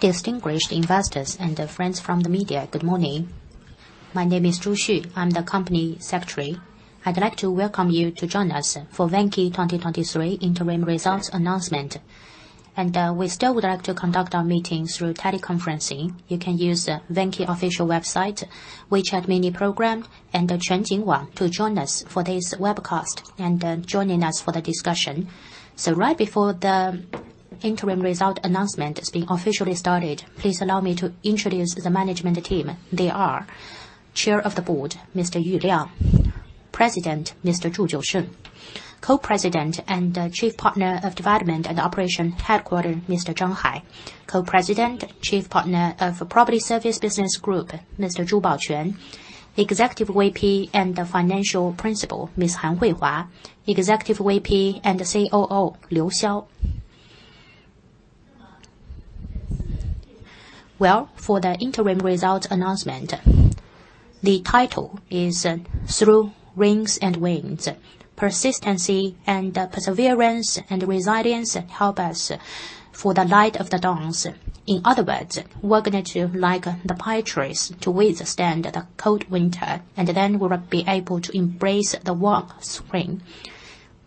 Distinguished investors and friends from the media, good morning. My name is Zhu Xu. I'm the Company Secretary. I'd like to welcome you to join us for Vanke 2023 interim results announcement. We still would like to conduct our meeting through teleconferencing. You can use the Vanke official website, WeChat mini program, and the Quanjing Wang to join us for this webcast and joining us for the discussion. Right before the interim result announcement is being officially started, please allow me to introduce the management team. They are Chair of the Board, Mr. Yu Liang. President, Mr. Zhu Jiusheng. Co-president and Chief Partner of Development and Operation Headquarter, Mr. Zhang Hai. Co-president, Chief Partner of Property Service Business Group, Mr. Zhu Baoquan. Executive VP and Financial Principal, Ms. Han Huihua. Executive VP and COO, Liu Xiao. Well, for the interim results announcement, the title is, Through Rains and Winds. Persistency and perseverance and resilience help us for the light of the dawns. In other words, we're going to like the pine trees, to withstand the cold winter, and then we'll be able to embrace the warm spring.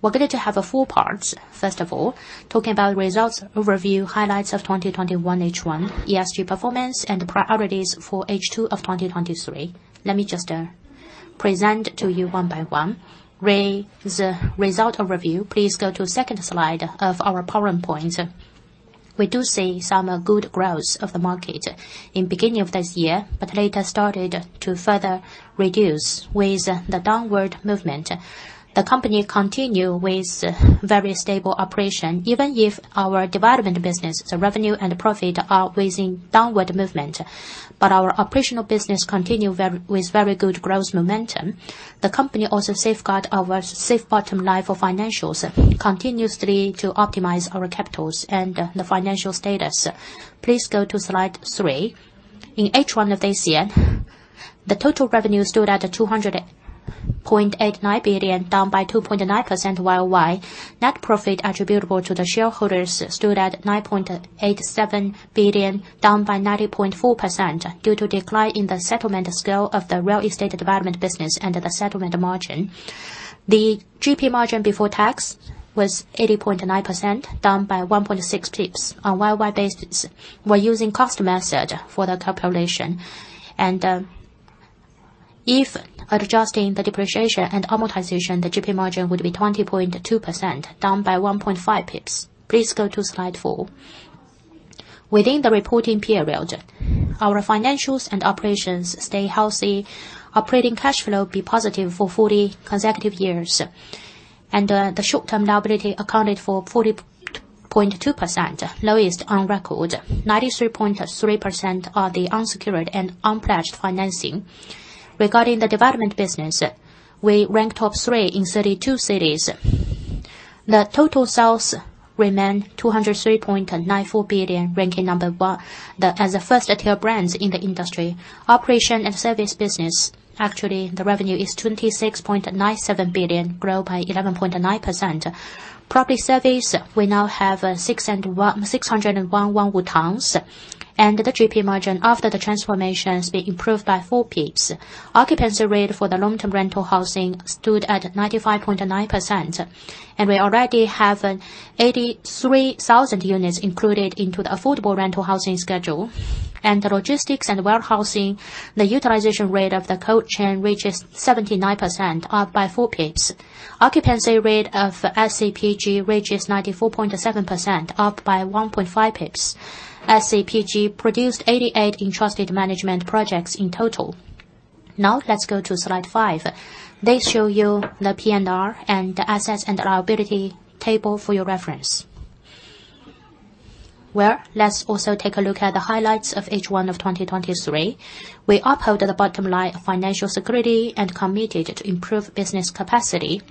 We're going to have four parts. First of all, talking about results, overview, highlights of 2021 H1, ESG performance, and priorities for H2 of 2023. Let me just present to you one by one. The result overview, please go to second slide of our PowerPoint. We do see some good growth of the market in beginning of this year, but later started to further reduce with the downward movement. The company continue with very stable operation, even if our development business, the revenue and profit, are within downward movement. But our operational business continue very, with very good growth momentum. The company also safeguard our safe bottom line for financials, continuously to optimize our capitals and, the financial status. Please go to slide three. In H1 of this year, the total revenue stood at 200.89 billion, down by 2.9% YOY. Net profit attributable to the shareholders stood at 9.87 billion, down by 90.4% due to decline in the settlement scale of the real estate development business and the settlement margin. The GP margin before tax was 80.9%, down by 1.6 pips on YOY basis. We're using cost method for the calculation, and, if adjusting the depreciation and amortization, the GP margin would be 20.2%, down by 1.5 pips. Please go to slide four. Within the reporting period, our financials and operations stay healthy, operating cash flow be positive for 40 consecutive years. The short-term liability accounted for 40.2%, lowest on record. 93.3% are the unsecured and unpledged financing. Regarding the development business, we ranked top three in 32 cities. The total sales remain 203.94 billion, ranking number one as a first-tier brand in the industry. Operation and service business, actually, the revenue is 26.97 billion, grow by 11.9%. Property service, we now have 601 Towns, and the GP margin after the transformation has been improved by four pips. Occupancy rate for the long-term rental housing stood at 95.9%, and we already have 83,000 units included into the affordable rental housing schedule. The logistics and warehousing, the utilization rate of the cold chain reaches 79%, up by four pips. Occupancy rate of SCPG reaches 94.7%, up by 1.5 pips. SCPG produced 88 entrusted management projects in total. Now, let's go to slide five. This shows you the P&R and the assets and liability table for your reference. Well, let's also take a look at the highlights of H1 of 2023. We uphold the bottom line of financial security and committed to improve business capacity.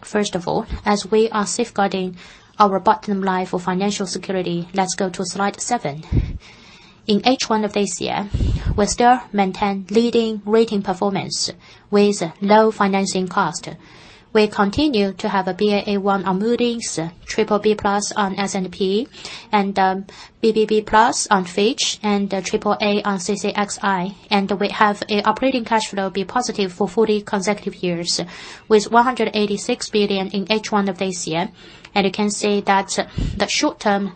First of all, as we are safeguarding our bottom line for financial security, let's go to slide seven. In H1 of this year, we still maintain leading rating performance with low financing cost. We continue to have a Baa1 on Moody's, BBB+ on S&P, and BBB+ on Fitch, and AAA on CCXI. We have an operating cash flow been positive for 40 consecutive years, with 186 billion in H1 of this year. You can see that the short-term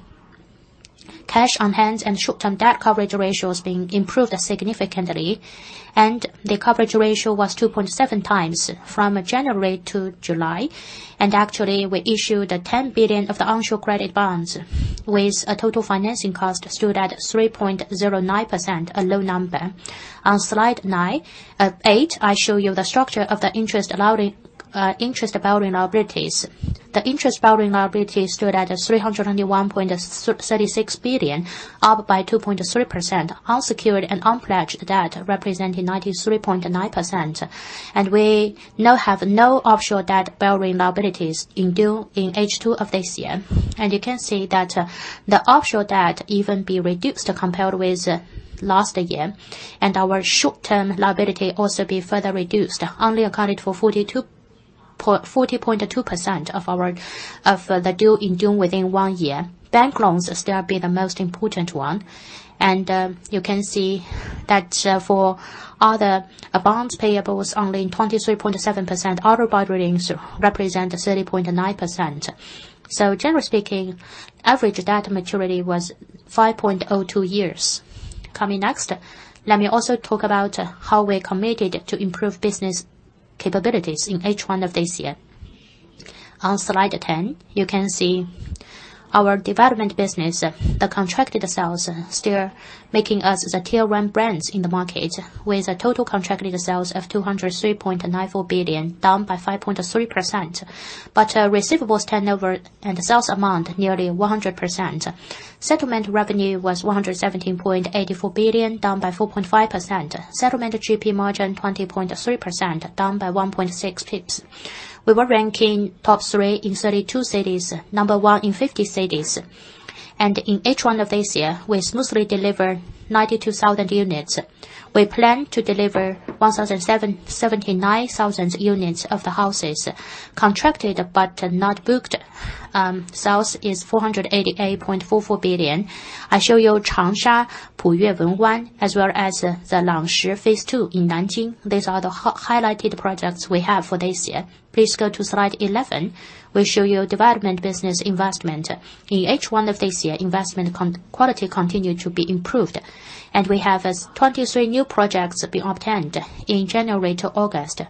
cash on hand and short-term debt coverage ratio has been improved significantly, and the coverage ratio was 2.7 times from January to July. Actually, we issued 10 billion of the onshore credit bonds, with a total financing cost stood at 3.09%, a low number. On slide nine, eight, I show you the structure of the interest allocation, interest-bearing liabilities. The interest-bearing liability stood at 301.36 billion, up by 2.3%, unsecured and unpledged debt, representing 93.9%. We now have no offshore debt-bearing liabilities due in H2 of this year. You can see that the offshore debt even be reduced compared with last year, and our short-term liability also be further reduced, only accounted for 40.2% of our, of the due within one year. Bank loans still be the most important one, and you can see that for other bonds payables, only 23.7%, other bond ratings represent 30.9%. So generally speaking, average debt maturity was 5.02 years. Coming next, let me also talk about how we are committed to improve business capabilities in H1 of this year. On Slide 10, you can see our development business, the contracted sales still making us the tier one brands in the market, with a total contracted sales of 203.94 billion, down by 5.3%. But receivables turnover and sales amount, nearly 100%. Settlement revenue was 117.84 billion, down by 4.5%. Settlement GP margin, 20.3%, down by 1.6 pips. We were ranking top three in 32 cities, number one in 50 cities. And in H1 of this year, we smoothly delivered 92,000 units. We plan to deliver 179,000 units of the houses contracted but not booked. Sales is 488.44 billion. I show you Changsha, Puyue Wan, as well as the Langshi Phase Two in Nanjing. These are the highlighted projects we have for this year. Please go to slide 11. We show you development business investment. In H1 of this year, investment quality continued to be improved, and we have 23 new projects being obtained. In January to August,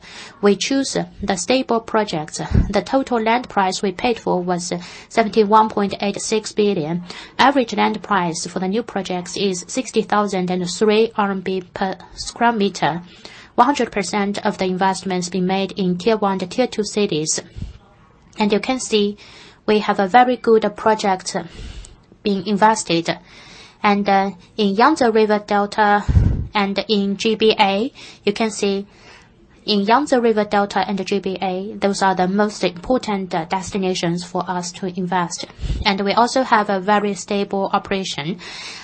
we choose the stable projects. The total land price we paid for was 71.86 billion. Average land price for the new projects is 60,003 RMB per sq m. 100% of the investments being made in tier one to tier two cities. And you can see, we have a very good project being invested. And in Yangtze River Delta and in GBA, you can see in Yangtze River Delta and the GBA, those are the most important destinations for us to invest. And we also have a very stable operation.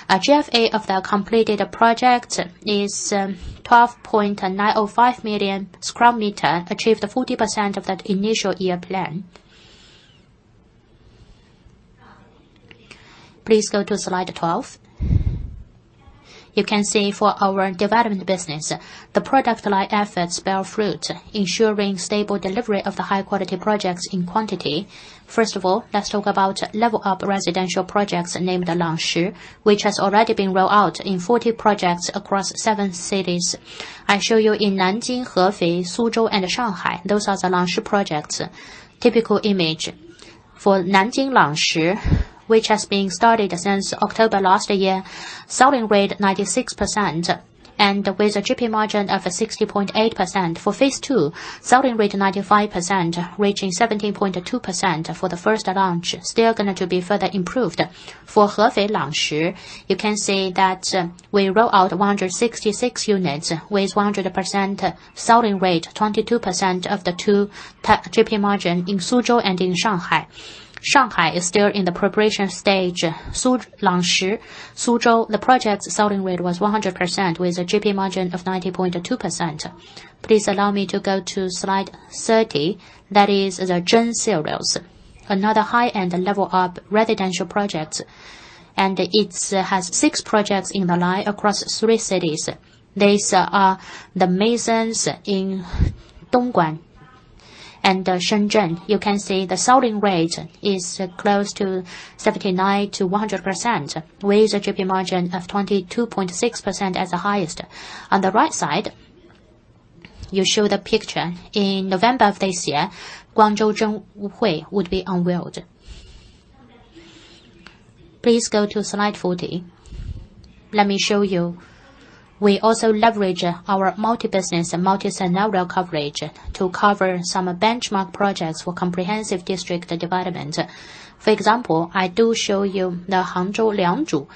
Our GFA of the completed project is 12.905 million sq m, achieved 40% of that initial year plan. Please go to slide 12. You can see for our development business, the product line efforts bear fruit, ensuring stable delivery of the high-quality projects in quantity. First of all, let's talk about level-up residential projects named Langshi, which has already been rolled out in 40 projects across seven cities. I show you in Nanjing, Hefei, Suzhou, and Shanghai. Those are the Langshi projects. Typical image for Nanjing Langshi, which has been started since October last year, selling rate 96%, and with a GP margin of 60.8%. For phase two, selling rate 95%, reaching 17.2% for the first launch, still going to be further improved. For Hefei Langshi, you can see that, we roll out 166 units, with 100% selling rate, 22% for the GP margin in Suzhou and in Shanghai. Shanghai is still in the preparation stage. Suzhou Langshi, Suzhou, the project selling rate was 100%, with a GP margin of 90.2%. Please allow me to go to slide 30. That is the Zhen Series, another high-end level up residential project, and it has six projects in the line across three cities. These are the mansions in Dongguan and Shenzhen. You can see the selling rate is close to 79% - 100%, with a GP margin of 22.6% as the highest. On the right side, you show the picture. In November of this year, Guangzhou Zhenhui would be unveiled. Please go to slide 40. Let me show you. We also leverage our multi-business and multi-scenario coverage to cover some benchmark projects for comprehensive district development. For example, I do show you the Hangzhou Liangzhu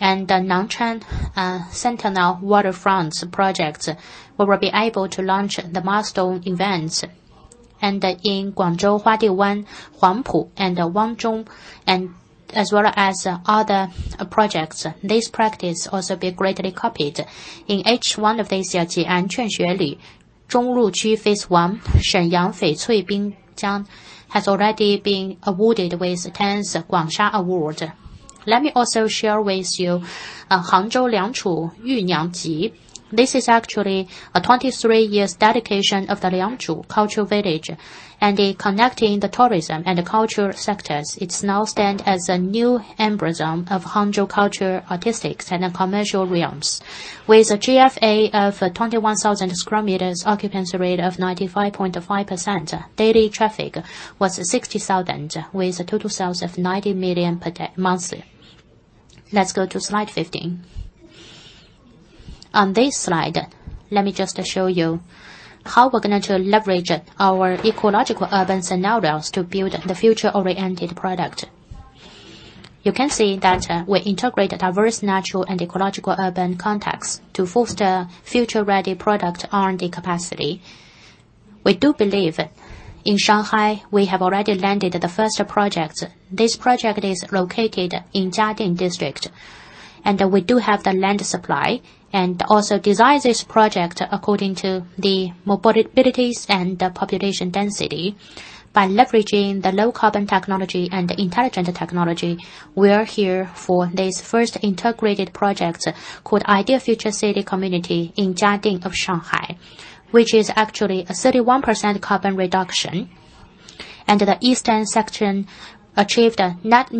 and the Nanchang Centennial Waterfront projects. We will be able to launch the milestone events and in Guangzhou, Huadiwan, Huangpu, and Wenchong, and as well as other projects. This practice also be greatly copied. In H1 of this year, Jiangquan Xueli, Zhongluqi Phase One, Shenyang Feicui Binjiang, has already been awarded with tens of Guangsha award. Let me also share with you, Hangzhou Liangzhu Yuniao Ji. This is actually a 23 years dedication of the Liangzhu Cultural Village, and in connecting the tourism and the culture sectors, it now stand as a new emblem of Hangzhou culture, arts and commercial realms. With a GFA of 21,000sq m, occupancy rate of 95.5%, daily traffic was 60,000, with a total sales of 90 million per day-monthly. Let's go to slide 15. On this slide, let me just show you how we're going to leverage our ecological urban scenarios to build the future-oriented product. You can see that, we integrated diverse natural and ecological urban contexts to foster future-ready product R&D capacity. We do believe in Shanghai, we have already landed the first project. This project is located in Jiading District, and we do have the land supply, and also design this project according to the mobilities and the population density. By leveraging the low carbon technology and the intelligent technology, we are here for this first integrated project called Ideal Future City Community in Jiading of Shanghai, which is actually a 31% carbon reduction, and the eastern section achieved a net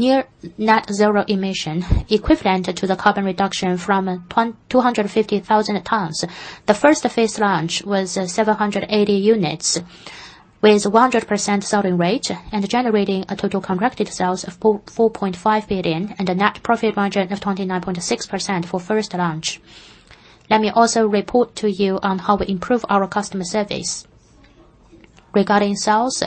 zero emission, equivalent to the carbon reduction from 250,000 tons. The first phase launch was 780 units, with a 100% selling rate and generating a total contracted sales of 4.45 billion, and a net profit margin of 29.6% for first launch. Let me also report to you on how we improve our customer service. Regarding sales,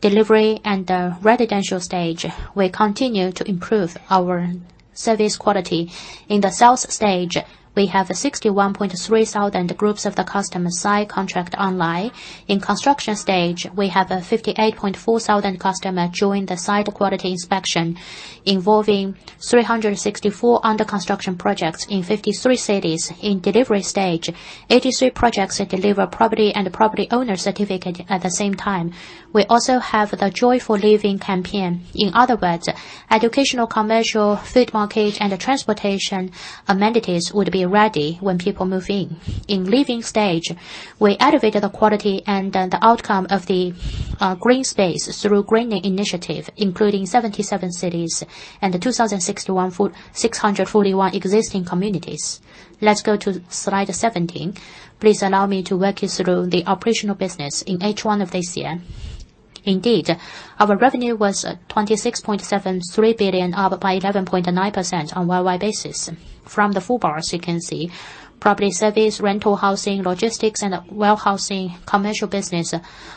delivery, and the residential stage, we continue to improve our service quality. In the sales stage, we have 61.3 thousand groups of the customer sign contract online. In construction stage, we have a 58.4 thousand customer join the site quality inspection, involving 364 under construction projects in 53 cities. In delivery stage, 83 projects deliver property and property owner certificate at the same time. We also have the Joyful Living Campaign. In other words, educational, commercial, food market, and transportation amenities would be ready when people move in. In living stage, we elevated the quality and the outcome of the green space through greening initiative, including 77 cities and 641 existing communities. Let's go to slide 17. Please allow me to walk you through the operational business in H1 of this year. Indeed, our revenue was 26.73 billion, up by 11.9% on year-on-year basis. From the full bars, you can see, property service, rental housing, logistics, and warehousing, commercial business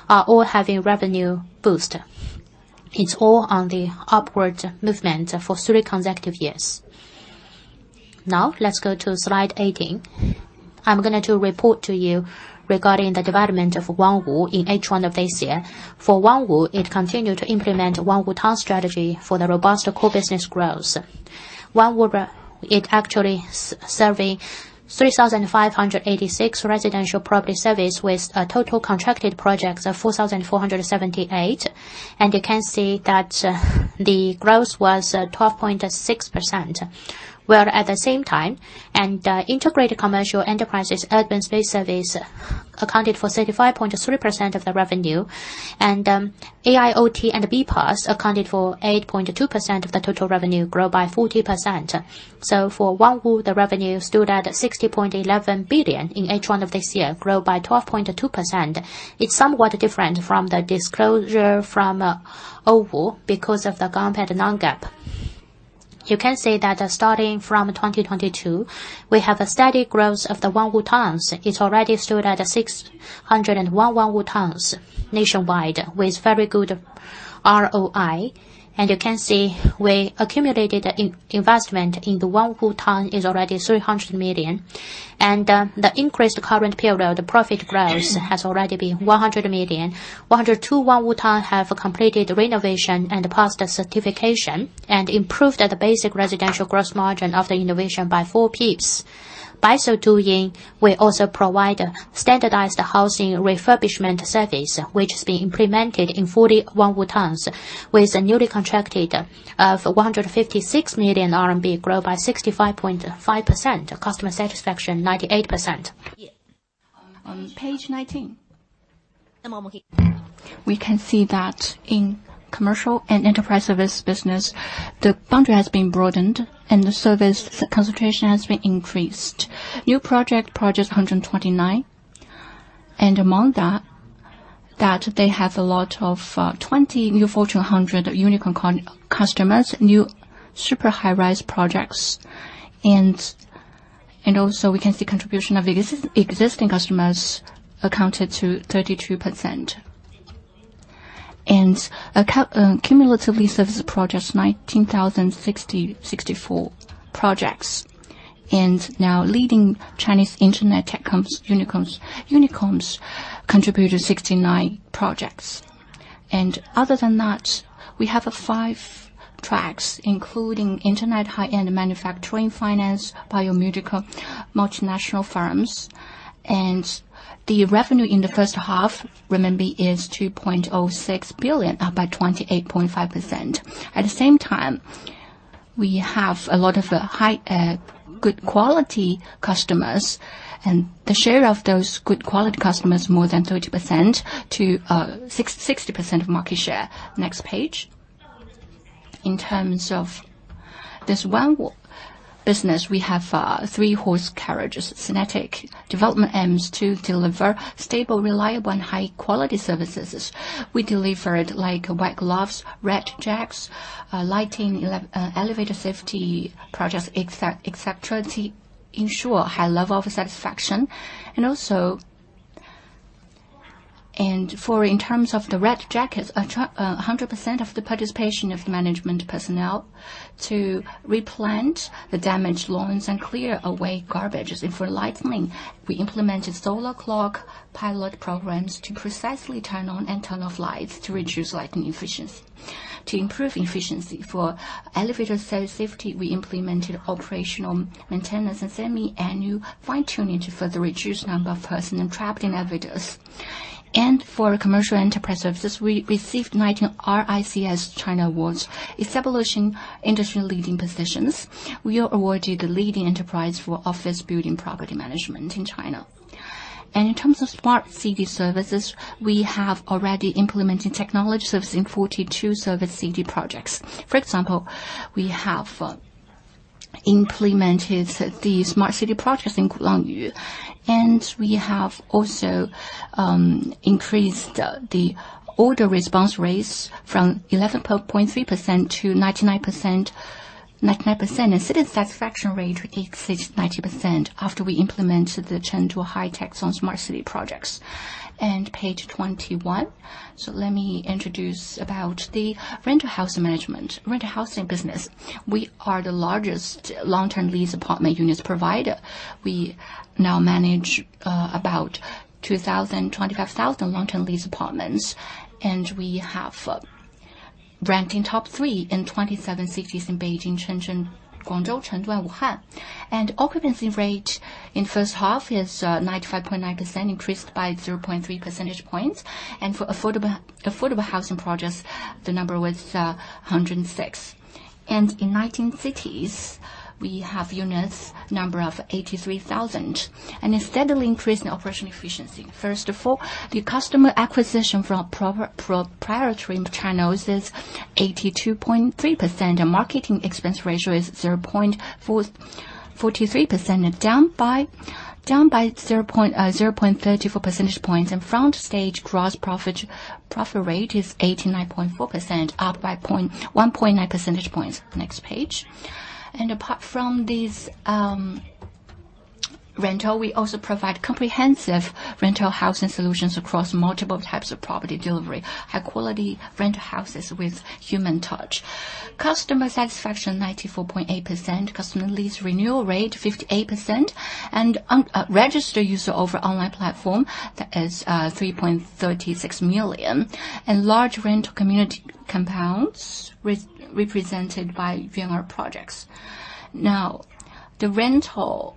are all having revenue boost. It's all on the upward movement for three consecutive years. Now, let's go to slide 18. I'm going to report to you regarding the development of Wanwu in H1 of this year. For Wanwu, it continued to implement Wanwu Town strategy for the robust core business growth. Wanwu, it actually serving 3,586 residential property service with a total contracted projects of 4,478, and you can see that, the growth was, 12.6%. At the same time, integrated commercial enterprises, urban space service accounted for 35.3% of the revenue, and, AIOT and BPaaS accounted for 8.2% of the total revenue, grow by 40%. So for Wanwu, the revenue stood at 60.11 billion in H1 of this year, grow by 12.2%. It's somewhat different from the disclosure from, Wanwu because of the GAAP and the non-GAAP. You can see that, starting from 2022, we have a steady growth of the Wanwu Towns. It already stood at 601 Wanwu Towns nationwide, with very good ROI. And you can see we accumulated investment in the Wanwu Town is already 300 million. And, the increased current period, the profit growth has already been 100 million. 102 Wanwu Town have completed renovation and passed the certification, and improved the basic residential growth margin of the innovation by four pips. By so doing, we also provide a standardized housing refurbishment service, which is being implemented in 40 Wanwu Towns, with a newly contracted of 156 million RMB, grow by 65.5%, customer satisfaction, 98%. On page 19. And Mongie. We can see that in commercial and enterprise service business, the boundary has been broadened and the service concentration has been increased. New projects, 129, and among that, they have a lot of 20 new Fortune 500 unicorn customers, new super high-rise projects. And also, we can see contribution of existing customers accounted to 32%. Cumulatively service projects, 19,064 projects. And now, leading Chinese internet tech comps, unicorns contributed 69 projects. And other than that, we have five tracks, including internet, high-end manufacturing, finance, biomedical, multinational firms. And the revenue in the first half, remember, is 2.06 billion renminbi, up by 28.5%. At the same time, we have a lot of high-quality customers, and the share of those good quality customers more than 30% to 60% of market share. Next page. In terms of this Wanwu business, we have three horse carriages. Synergetic development aims to deliver stable, reliable, and high-quality services. We delivered, like, white gloves, red jackets, lighting, elevator safety projects, et cetera, to ensure high level of satisfaction. And also, for in terms of the red jackets, 100% of the participation of management personnel to replant the damaged lawns and clear away garbage. And for lighting, we implemented solar clock pilot programs to precisely turn on and turn off lights to reduce lighting efficiency. To improve efficiency for elevator safety, we implemented operational maintenance and semi-annual fine-tuning to further reduce the number of person trapped in elevators. For commercial enterprise services, we received 19 RICS China awards, establishing industry-leading positions. We are awarded the leading enterprise for office building property management in China. In terms of smart city services, we have already implemented technology services in 42 service city projects. For example, we have implemented the smart city projects in Gulangyu, and we have also increased the order response REITs from 11.3% to 99%. 99% and citizen satisfaction rate exceeds 90% after we implemented the Chengdu high-tech zone smart city projects. Page 21. So let me introduce about the rental house management, rental housing business. We are the largest long-term lease apartment units provider. We now manage about 25,000 long-term lease apartments, and we have ranking top three in 27 cities in Beijing, Shenzhen, Guangzhou, Chengdu, and Wuhan. Occupancy rate in first half is 95.9%, increased by 0.3 percentage points. For affordable housing projects, the number was 106. In 19 cities, we have units number of 83,000 and a steadily increase in operational efficiency. First of all, the customer acquisition from proprietary channels is 82.3%, and marketing expense ratio is 0.443%, and down by 0.34 percentage points. Front stage gross profit rate is 89.4%, up by 1.9 percentage points. Next page. Apart from this rental, we also provide comprehensive rental housing solutions across multiple types of property delivery, high quality rental houses with human touch. Customer satisfaction, 94.8%, customer lease renewal rate, 58%, and registered user over online platform, that is, 3.36 million, and large rental community compounds with represented by VNR projects. Now, the rental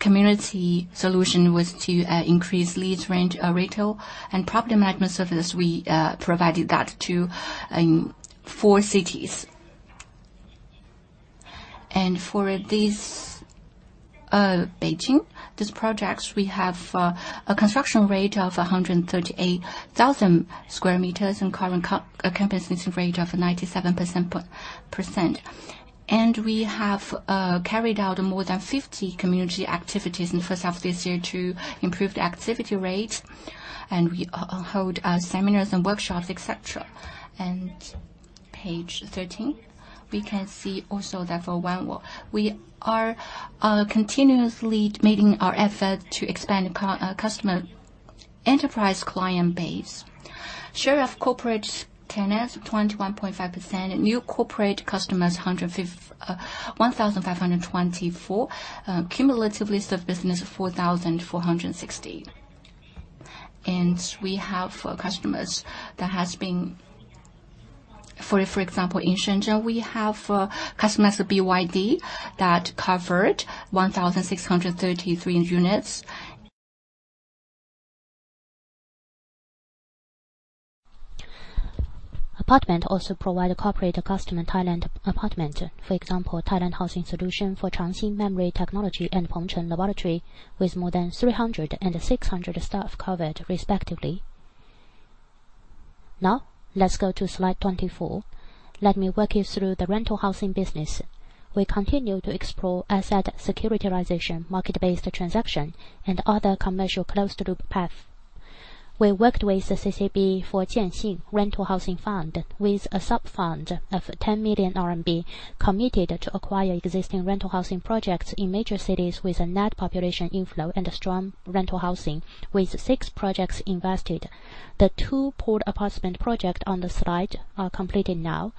community solution was to increase lease rent, rental and property management service. We provided that to four cities. And for this, Beijing, these projects, we have a construction rate of 138,000sq m and current co-occupancy rate of 97% percent. And we have carried out more than 50 community activities in the first half of this year to improve the activity rate, and we hold seminars and workshops, et cetera. And page thirteen, we can see also that for Wanwu, we are continuously making our effort to expand customer enterprise client base. Share of corporate tenants, 21.5%, and new corporate customers, 1,524. Cumulative list of business, 4,460. And we have customers that has been... For example, in Shenzhen, we have customers, the BYD, that covered 1,633 units. Apartment also provide a corporate customer talent apartment. For example, talent housing solution for Chang Xin Memory Technology and Peng Cheng Laboratory, with more than 300 and 600 staff covered, respectively. Now, let's go to slide 24. Let me walk you through the rental housing business. We continue to explore asset securitization, market-based transaction, and other commercial closed-loop path. We worked with the CCB for Jian Xin Rental Housing Fund, with a subfund of 10 million RMB, committed to acquire existing rental housing projects in major cities with a net population inflow and a strong rental housing, with six projects invested. The two port apartment project on the slide are completed now.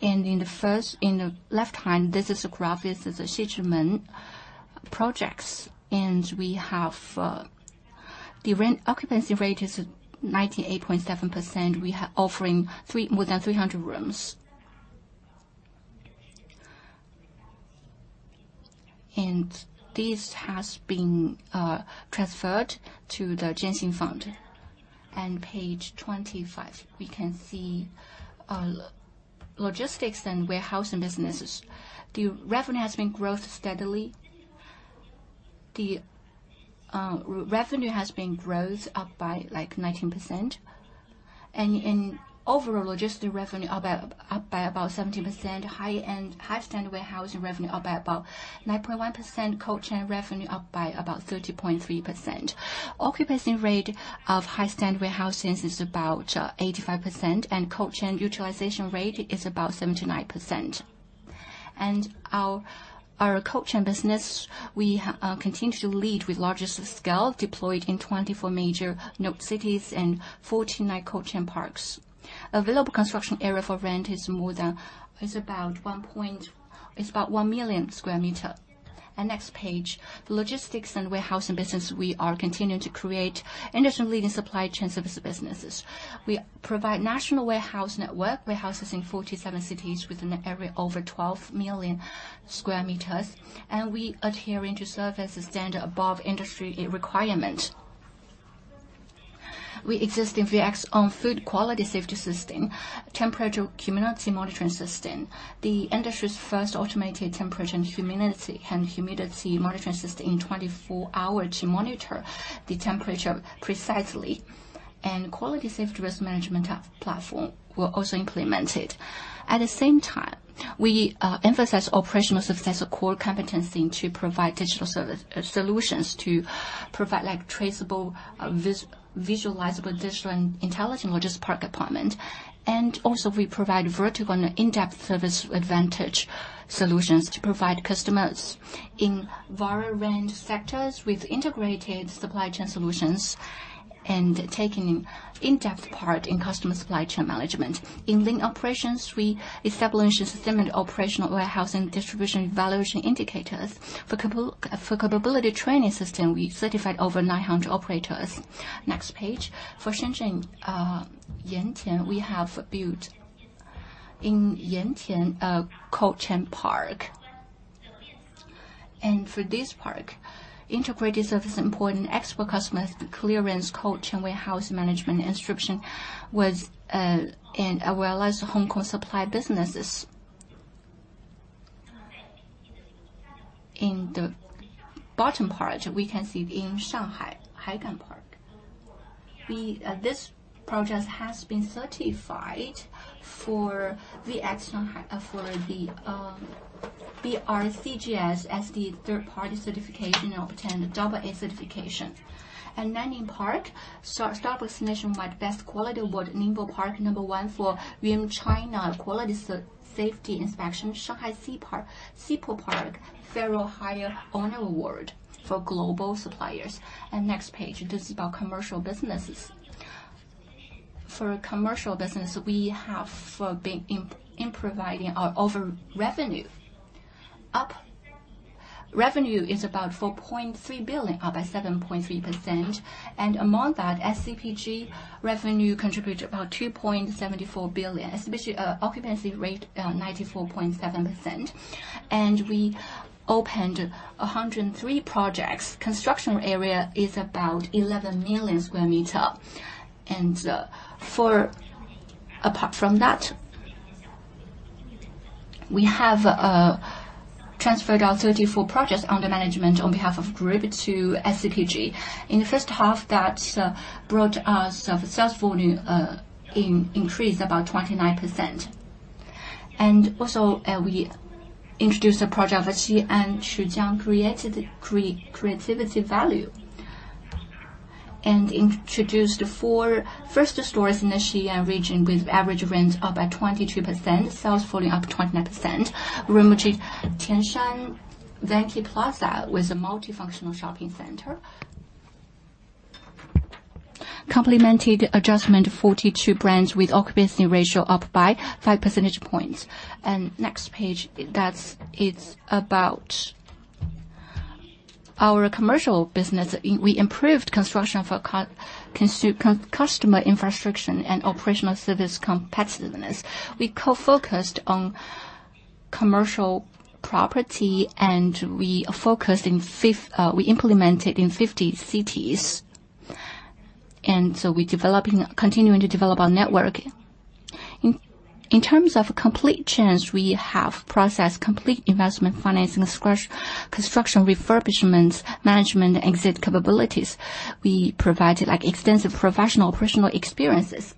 In the first, in the left hand, this is a graph. This is a Xizhimen projects, and we have, the rent occupancy rate is 98.7%. We are offering more than 300 rooms. And this has been transferred to the Jian Xin Fund. And page 25, we can see, logistics and warehousing businesses. The revenue has been growth steadily. The revenue has been growth up by, like, 19%. In overall logistics revenue, about up by about 17%, high-end, high standard warehousing revenue up by about 9.1%, cold chain revenue up by about 30.3%. Occupancy rate of high standard warehousing is about 85%, and cold chain utilization rate is about 79%. And our cold chain business, we continue to lead with largest scale, deployed in 24 major port cities and 14 large cold chain parks. Available construction area for rent is more than is about one million sq m. And next page, the logistics and warehousing business, we are continuing to create industry-leading supply chain service businesses. We provide national warehouse network, warehouses in 47 cities, with an area over 12 million sq m, and we adhering to service standard above industry requirement. We exist in VX on food quality safety system, temperature, humidity monitoring system, the industry's first automated temperature and humidity, and humidity monitoring system in 24 hours to monitor the temperature precisely. And quality safety risk management platform were also implemented. At the same time, we emphasize operational success of core competency to provide digital service solutions to provide, like, traceable, visualizable, digital and intelligent logistics park department. And also, we provide vertical and in-depth service advantage solutions to provide customers in wide range sectors with integrated supply chain solutions, and taking in-depth part in customer supply chain management. In link operations, we establish a system and operational warehouse and distribution evaluation indicators. For capability training system, we certified over 900 operators. Next page. For Shenzhen, Yantian, we have built in Yantian, a cold chain park. And for this park, integrated service is important. Export customs clearance, cold chain warehouse management instruction was, and as well as Hong Kong supply businesses. In the bottom part, we can see in Shanghai, Haigang Park. This project has been certified for VX, for the RICS as the third-party certification, and obtained a double-A certification. And Nanning Park, Starbucks nominated by Best Quality Award. Ningbo Park, number one for BIM China Quality Safety Inspection. Shanghai Xiepu Park, Xiepu Park, very higher honor award for global suppliers. And next page, this is about commercial businesses. For commercial business, we have been improving our overall revenue. Up, revenue is about 4.3 billion, up by 7.3%. Among that, SCPG revenue contributed about 2.74 billion, especially, occupancy rate 94.7%. And we opened 103 projects. Construction area is about 11 million sq m. Apart from that, we have transferred our 34 projects under management on behalf of group to SCPG. In the first half, that brought us a sales volume increased about 29%. And also, we introduced a project of Xi'an, Xinjiang, created creativity value. And introduced four first stores in the Xi'an region, with average rent up by 22%, sales volume up 29%. Rongji Tianshan Wanke Plaza was a multifunctional shopping center. Complemented adjustment 42 brands with occupancy ratio up by five percentage points. And next page, that's it, it's about our commercial business. We improved construction for customer infrastructure and operational service competitiveness. We co-focused on commercial property, and we focused in, we implemented in 50 cities. So we developing, continuing to develop our network. In terms of complete change, we have processed complete investment, financing, construction, refurbishments, management, and exit capabilities. We provided, like, extensive professional, personal experiences,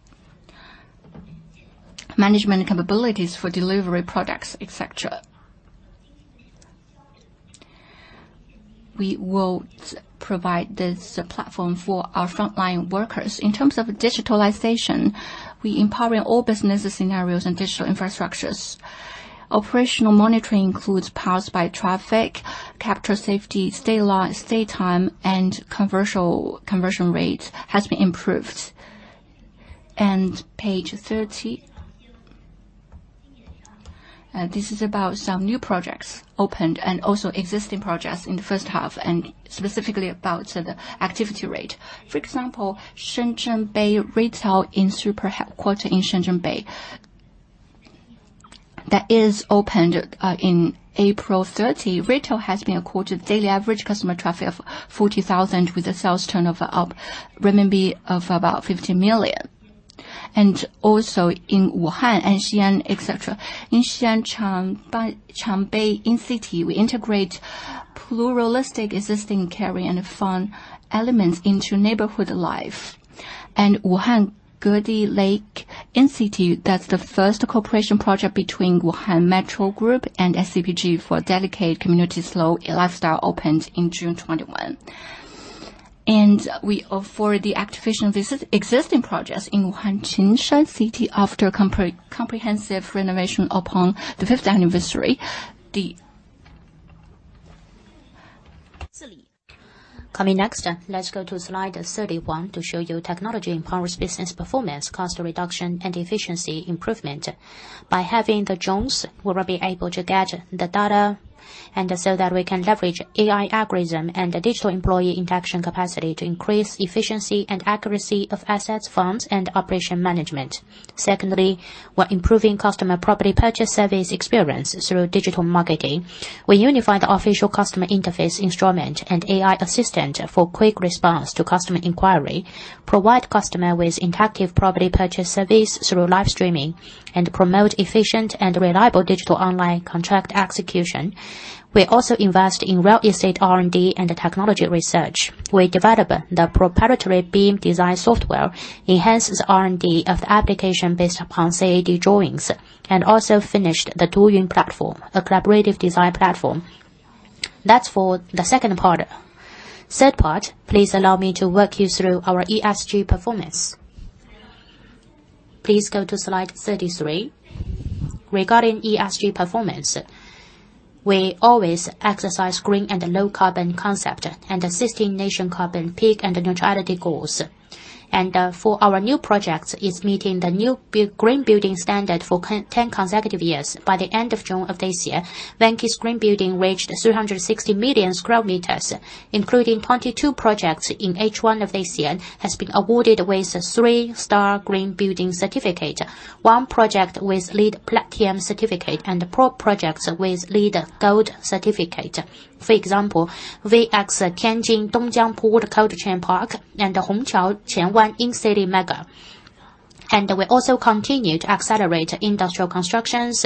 management capabilities for delivery products, et cetera. We will provide this platform for our frontline workers. In terms of digitalization, we empowering all business scenarios and digital infrastructures. Operational monitoring includes passed by traffic, capital safety, stay time, and commercial conversion rate has been improved. Page 13. This is about some new projects opened and also existing projects in the first half, and specifically about the activity rate. For example, Shenzhen Bay Retail Super Headquarters in Shenzhen Bay, that is opened in April 30. Retail has been accorded daily average customer traffic of 40,000, with a sales turnover of RMB of about 50 million. And also in Wuhan and Xi'an, et cetera. In Xi'an, Chanba Incity, we integrate pluralistic existing catering and fun elements into neighborhood life. And Wuhan Gedian Incity, that's the first cooperation project between Wuhan Metro Group and SCPG for dedicated community slow lifestyle, opened in June 2021. ... We offer the activation visit existing projects in Wuhan Qingshan City after comprehensive renovation upon the fifth anniversary... Coming next, let's go to slide 31 to show you technology empowers business performance, cost reduction, and efficiency improvement. By having the drones, we will be able to get the data, and so that we can leverage AI algorithm and the digital employee interaction capacity to increase efficiency and accuracy of assets, funds, and operation management. Secondly, we're improving customer property purchase service experience through digital marketing. We unify the official customer interface instrument and AI assistant for quick response to customer inquiry, provide customer with interactive property purchase service through live streaming, and promote efficient and reliable digital online contract execution. We also invest in real estate R&D and technology research. We develop the proprietary BIM design software, enhances R&D of the application based upon CAD drawings, and also finished the Duoyun platform, a collaborative design platform. That's for the second part. Third part, please allow me to walk you through our ESG performance. Please go to slide 33. Regarding ESG performance, we always exercise green and low carbon concept and assisting nation carbon peak and neutrality goals. And for our new projects, is meeting the new green building standard for 10 consecutive years. By the end of June of this year, Vanke's green building reached 360 million sq m, including 22 projects in H1 of this year, has been awarded with a 3-star Green Building Certificate, one project with LEED Platinum Certificate, and four projects with LEED Gold Certificate. For example, VX Tianjin Dongjiang Port Cold Chain Park and Hongqiao Qianwan In-City Mega. We also continue to accelerate industrial constructions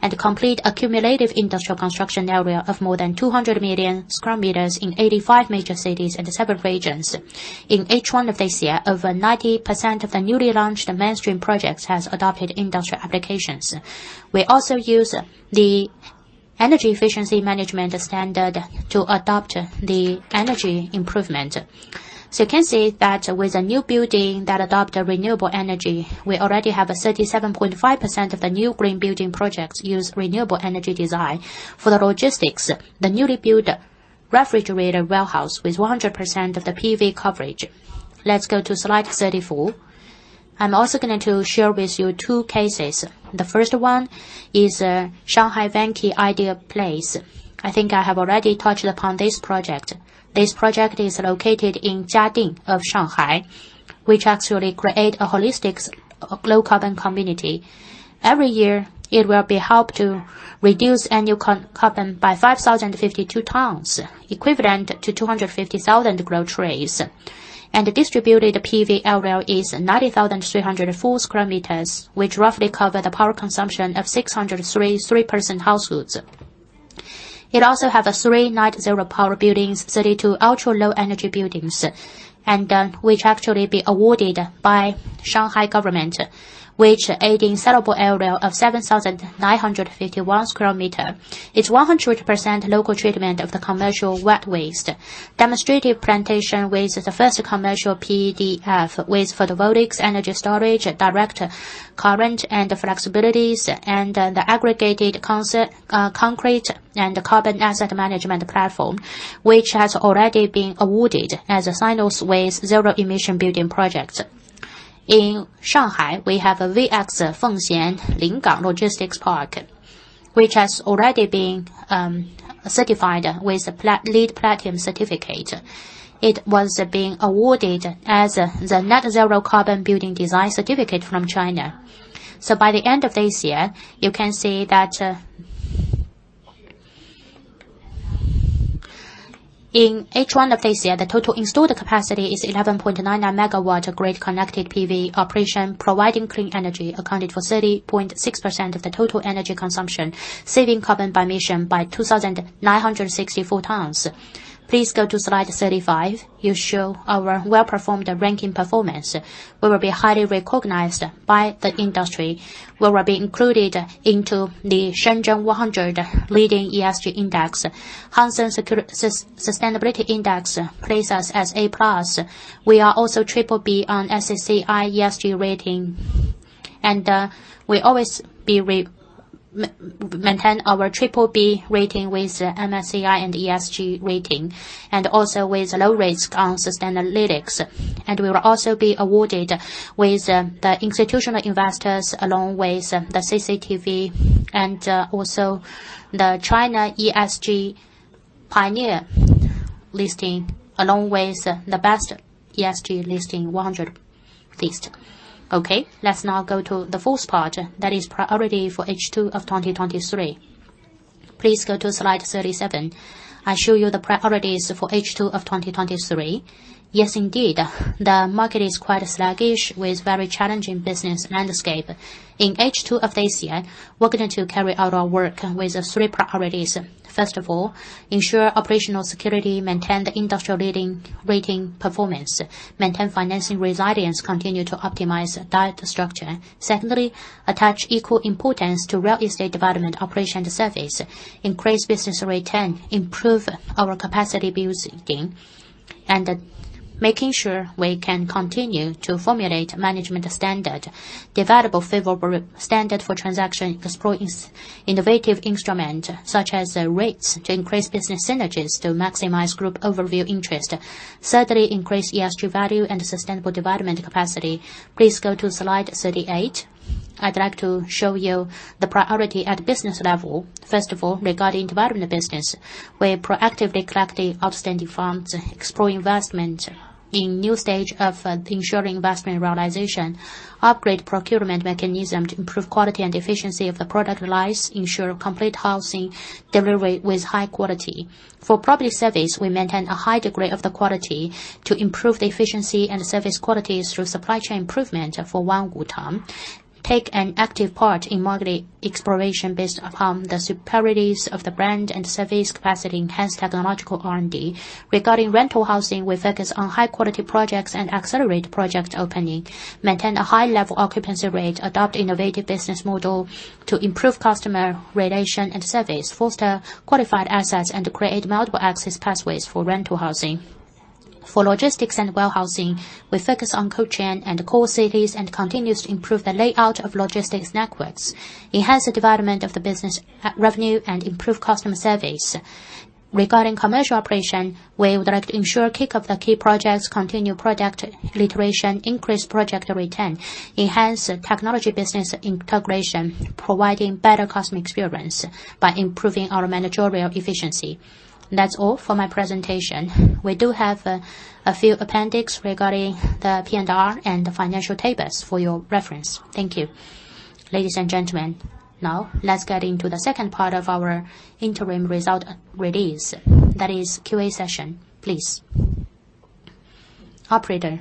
and complete accumulative industrial construction area of more than 200 million sq m in 85 major cities and several regions. In H1 of this year, over 90% of the newly launched mainstream projects has adopted industrial applications. We also use the energy efficiency management standard to adopt the energy improvement. So you can see that with a new building that adopt a renewable energy, we already have a 37.5% of the new green building projects use renewable energy design. For the logistics, the newly built refrigerated warehouse with 100% of the PV coverage. Let's go to slide 34. I'm also going to share with you two cases. The first one is, Shanghai Vanke Ideal Place. I think I have already touched upon this project. This project is located in Jiading of Shanghai, which actually create a holistic low carbon community. Every year, it will be helped to reduce annual carbon by 5,052 tons, equivalent to 250,000 grown trees. The distributed PV area is 90,304sq m, which roughly cover the power consumption of 603 three-person households. It also have three net zero power buildings, 32 ultra-low energy buildings, and which actually be awarded by Shanghai government, which aiding settable area of 7,951sq m. It's 100% local treatment of the commercial wet waste. Demonstrative plantation with the first commercial PEDF with photovoltaics, energy storage, direct current, and flexibilities, and the aggregated concrete and carbon asset management platform, which has already been awarded as a Sinostey zero-emission building project. In Shanghai, we have a VX Fengxian Lingang Logistics Park, which has already been certified with a LEED Platinum Certificate. It was being awarded as the Net Zero Carbon Building Design Certificate from China. So by the end of this year, you can see that in H1 of this year, the total installed capacity is 11.99 megawatts, grid-connected PV operation, providing clean energy accounted for 30.6% of the total energy consumption, saving carbon emission by 2,964 tons. Please go to slide 35. It show our well-performed ranking performance. We will be highly recognized by the industry. We will be included into the Shenzhen One Hundred Leading ESG Index. Hang Seng Sustainability Index places us as A plus. We are also triple B on SSCI ESG rating, and we always be maintain our triple B rating with MSCI and ESG rating, and also with low risk on Sustainalytics. And we will also be awarded with the institutional investors, along with the CCTV and also the China ESG Pioneer listing, along with the Best ESG Listing One Hundred list. Okay, let's now go to the fourth part. That is priority for H2 of 2023. Please go to slide 37. I show you the priorities for H2 of 2023. Yes, indeed, the market is quite sluggish, with very challenging business landscape. In H2 of this year, we're going to carry out our work with three priorities. First of all, ensure operational security, maintain the industry-leading rating performance, maintain financing resilience, continue to optimize debt structure. Secondly, attach equal importance to real estate development, operation and service, increase business return, improve our capacity building... and making sure we can continue to formulate management standard, develop favorable standard for transaction, explore innovative instrument, such as REITs, to increase business synergies to maximize group overall interest. Thirdly, increase ESG value and sustainable development capacity. Please go to slide 38. I'd like to show you the priority at business level. First of all, regarding development business, we proactively collect the outstanding funds, explore investment in new stage of ensuring investment realization, upgrade procurement mechanism to improve quality and efficiency of the product lines, ensure complete housing delivery with high quality. For property service, we maintain a high degree of the quality to improve the efficiency and service quality through supply chain improvement for Wanwu Town. Take an active part in market exploration based upon the superiorities of the brand and service capacity, enhance technological R&D. Regarding rental housing, we focus on high-quality projects and accelerate project opening, maintain a high level occupancy rate, adopt innovative business model to improve customer relation and service, foster qualified assets, and create multiple access pathways for rental housing. For logistics and warehousing, we focus on cold chain and core cities, and continue to improve the layout of logistics networks, enhance the development of the business revenue, and improve customer service. Regarding commercial operation, we would like to ensure kick-off the key projects, continue product iteration, increase project return, enhance technology business integration, providing better customer experience by improving our managerial efficiency. That's all for my presentation. We do have a few appendix regarding the P&R and the financial tables for your reference. Thank you. Ladies and gentlemen, now let's get into the second part of our interim result release. That is QA session, please. Operator?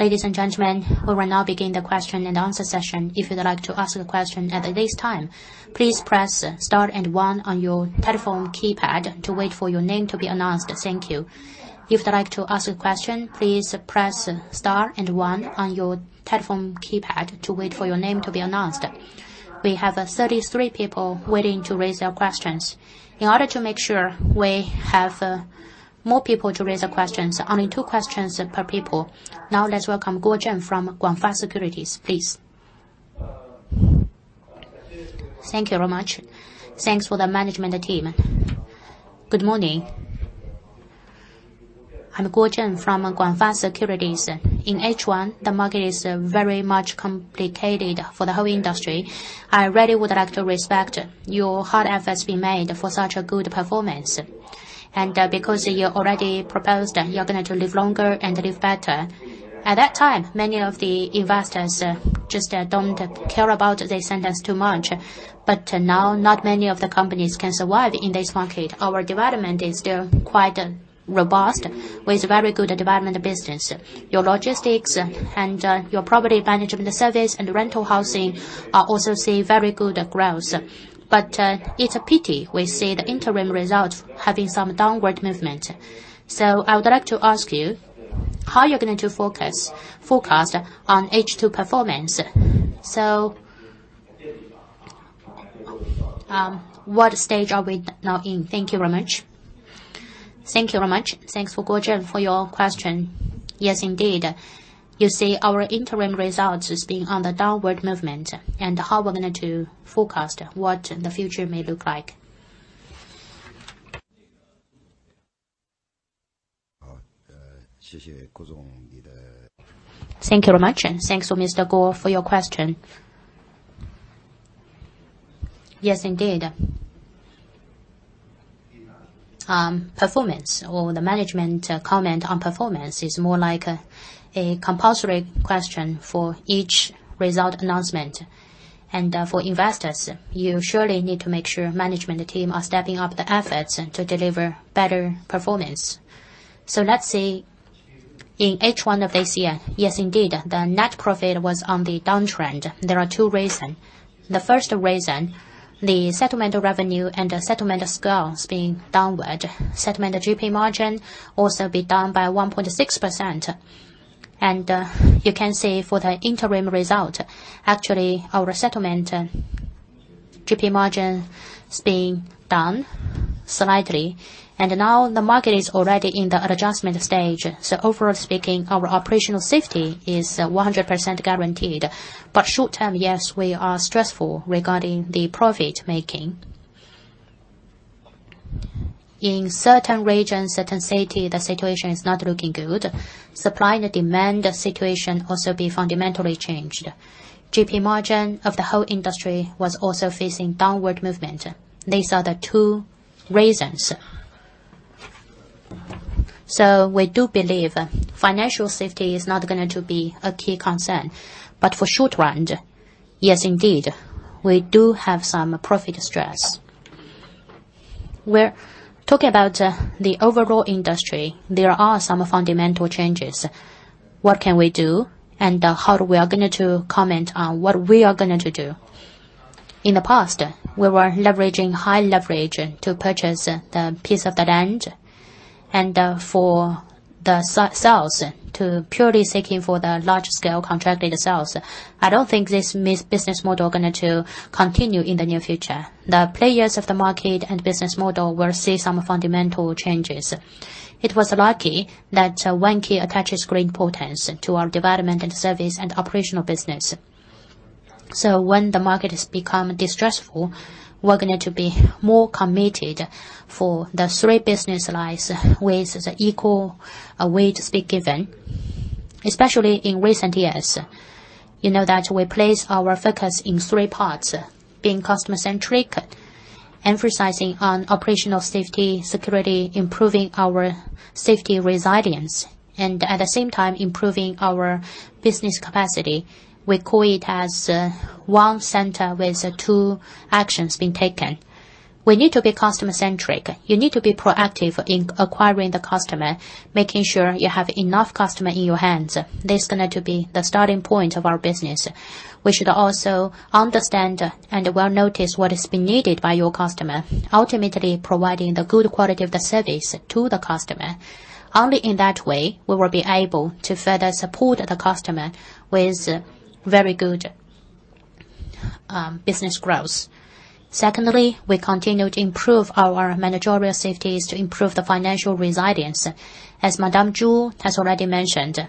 Ladies and gentlemen, we will now begin the question and answer session. If you'd like to ask a question at this time, please press star and One on your telephone keypad to wait for your name to be announced. Thank you. If you'd like to ask a question, please press Star and One on your telephone keypad to wait for your name to be announced. We have 33 people waiting to raise their questions. In order to make sure we have more people to raise their questions, only two questions per people. Now, let's welcome Guo Zhen from Guangfa Securities, please. Thank you very much. Thanks for the management team. Good morning. I'm Guo Zhen from Guangfa Securities. In H1, the market is very much complicated for the whole industry. I really would like to respect your hard efforts being made for such a good performance. And, because you already proposed you're going to live longer and live better, at that time, many of the investors, just, don't care about this sentence too much. But now, not many of the companies can survive in this market. Our development is still quite robust, with very good development business. Your logistics and, your property management service and rental housing are also seeing very good growth. But, it's a pity we see the interim results having some downward movement. So I would like to ask you, how are you going to focus forecast on H2 performance? What stage are we now in? Thank you very much. Thank you very much. Thanks for Guo Zhen for your question. Yes, indeed. You see, our interim results is being on the downward movement and how we're going to forecast what the future may look like. Thank you, Guo Zhen. Thank you very much, and thanks for Mr. Guo for your question. Yes, indeed. Performance or the management, comment on performance is more like a compulsory question for each result announcement. For investors, you surely need to make sure management team are stepping up the efforts to deliver better performance. So let's say in H1 of this year, yes, indeed, the net profit was on the downtrend. There are two reason. The first reason, the settlement revenue and the settlement scale is being downward. Settlement GP margin also be down by 1.6%. And you can see for the interim result, actually, our settlement GP margin is being down slightly, and now the market is already in the adjustment stage. So overall speaking, our operational safety is 100% guaranteed. But short term, yes, we are stressful regarding the profit making. In certain regions, certain city, the situation is not looking good. Supply and demand situation also be fundamentally changed. GP margin of the whole industry was also facing downward movement. These are the two reasons. So we do believe financial safety is not going to be a key concern, but for short run, yes, indeed, we do have some profit stress. We're talking about, the overall industry, there are some fundamental changes. What can we do? And, how we are going to comment on what we are going to do? In the past, we were leveraging high leverage to purchase the piece of the land, and, for the sales to purely seeking for the large scale contracted sales. I don't think this business model going to continue in the near future. The players of the market and business model will see some fundamental changes. It was lucky that, Vanke attaches great importance to our development and service and operational business. So when the market has become distressful, we're going to be more committed for the three business lines with the equal weight be given. Especially in recent years, you know that we place our focus in three parts: being customer-centric, emphasizing on operational safety, security, improving our safety resilience, and at the same time, improving our business capacity. We call it as, one center with, two actions being taken. We need to be customer-centric. You need to be proactive in acquiring the customer, making sure you have enough customer in your hands. This is going to be the starting point of our business. We should also understand and well notice what is being needed by your customer, ultimately, providing the good quality of the service to the customer. Only in that way, we will be able to further support the customer with very good, business growth. Secondly, we continue to improve our managerial safeties to improve the financial resilience. As Madame Zhu has already mentioned,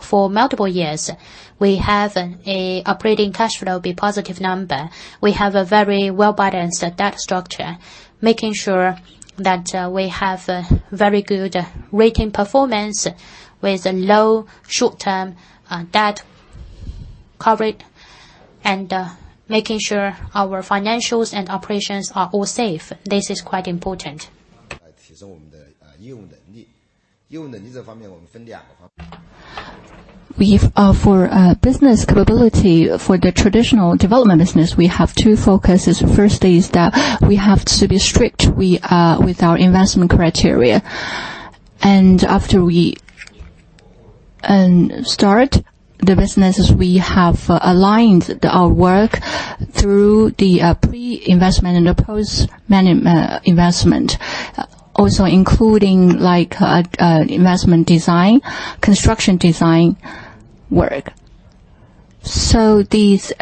for multiple years, we have a operating cash flow be positive number. We have a very well-balanced debt structure, making sure that, we have a very good rating performance with a low short-term, debt coverage, and, making sure our financials and operations are all safe. This is quite important. We've for business capability, for the traditional development business, we have two focuses. First is that we have to be strict we with our investment criteria. And after we start the businesses, we have aligned our work through the pre-investment and the post-manage investment. Also including, like, investment design, construction design work. So these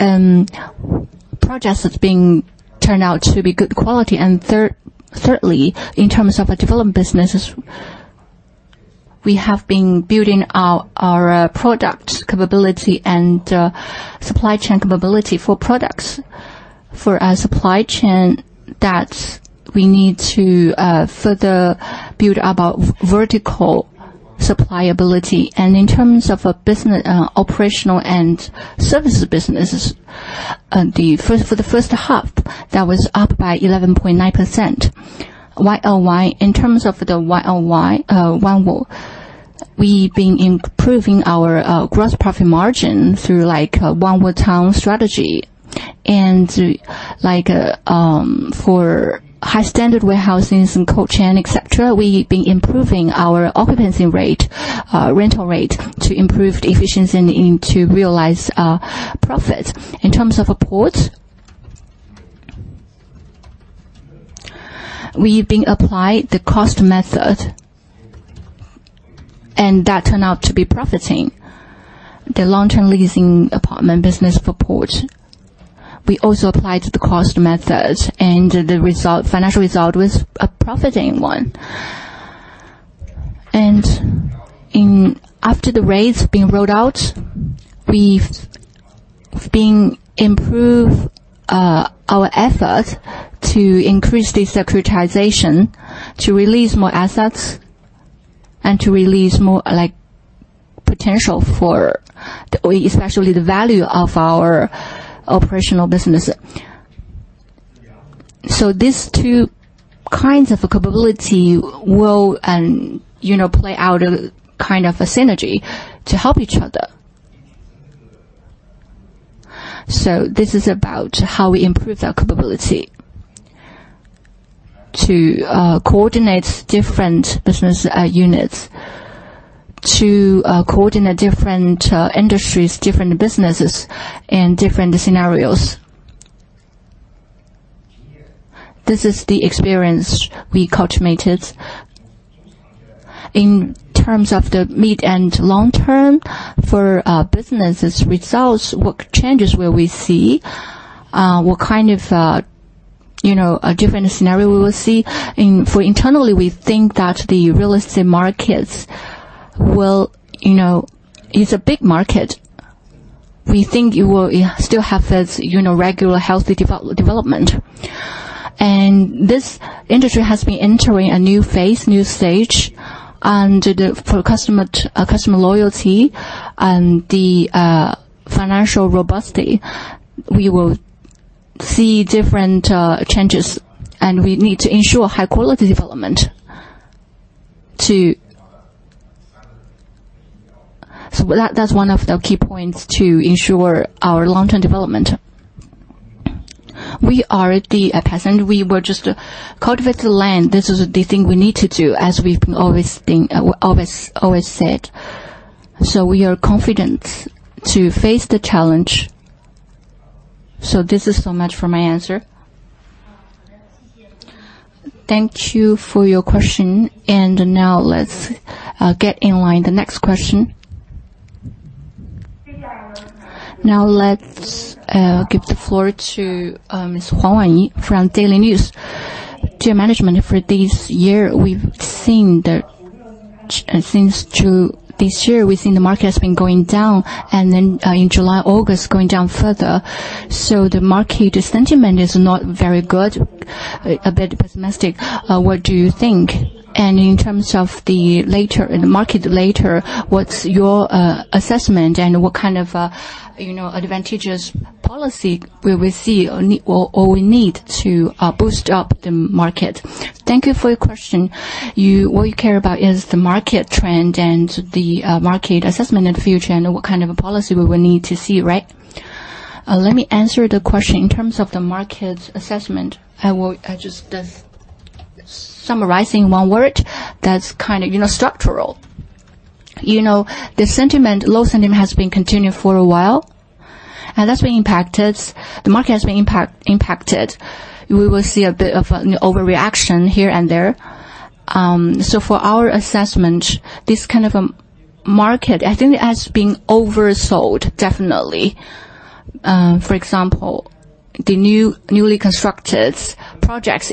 projects is being turned out to be good quality. And third, thirdly, in terms of the development business, we have been building our our product capability and supply chain capability for products. For our supply chain, that we need to further build about vertical supply ability. And in terms of a business operational and services business the first- for the first half, that was up by 11.9%. YOY, in terms of the YOY, Wanwu, we've been improving our gross profit margin through, like, a Wanwu town strategy. And to like, for high standard warehousing, some cold chain, et cetera, we've been improving our occupancy rate, rental rate, to improve the efficiency and to realize profit. In terms of a port, we've been applied the cost method, and that turned out to be profiting. The long-term leasing apartment business for port, we also applied the cost method, and the result, financial result was a profiting one. And after the rates being rolled out, we've been improve our effort to increase the securitization, to release more assets, and to release more, like, potential for the... Especially the value of our operational business. So these two kinds of capability will, you know, play out a kind of a synergy to help each other. So this is about how we improve our capability to coordinate different business units, to coordinate different industries, different businesses, and different scenarios. This is the experience we cultivated. In terms of the mid and long term for businesses results, what changes will we see? What kind of, you know, a different scenario we will see? For internally, we think that the real estate markets will, you know, it's a big market. We think it will still have this, you know, regular, healthy development. This industry has been entering a new phase, new stage, and for customer loyalty and the financial robustness, we will see different changes, and we need to ensure high quality development to... So that, that's one of the key points to ensure our long-term development. We are a peasant. We just cultivate the land. This is the thing we need to do, as we've always said. So we are confident to face the challenge. So this is so much for my answer. Thank you for your question. And now let's get in line the next question. Now, let's give the floor to Miss Huang Wanyi from Daily News. Dear management, for this year, we've seen the since to this year, we've seen the market has been going down, and then in July, August, going down further. So the market sentiment is not very good, a bit pessimistic. What do you think? And in terms of the later, in the market later, what's your assessment, and what kind of you know, advantageous policy will we see or or we need to boost up the market? Thank you for your question. What you care about is the market trend and the market assessment in the future and what kind of a policy we will need to see, right? Let me answer the question. In terms of the market assessment, I will I just just summarizing one word, that's kind of you know, structural. You know, the sentiment, low sentiment has been continuing for a while, and that's been impacted. The market has been impacted. We will see a bit of an overreaction here and there. So for our assessment, this kind of a market, I think it has been oversold, definitely. For example, the newly constructed projects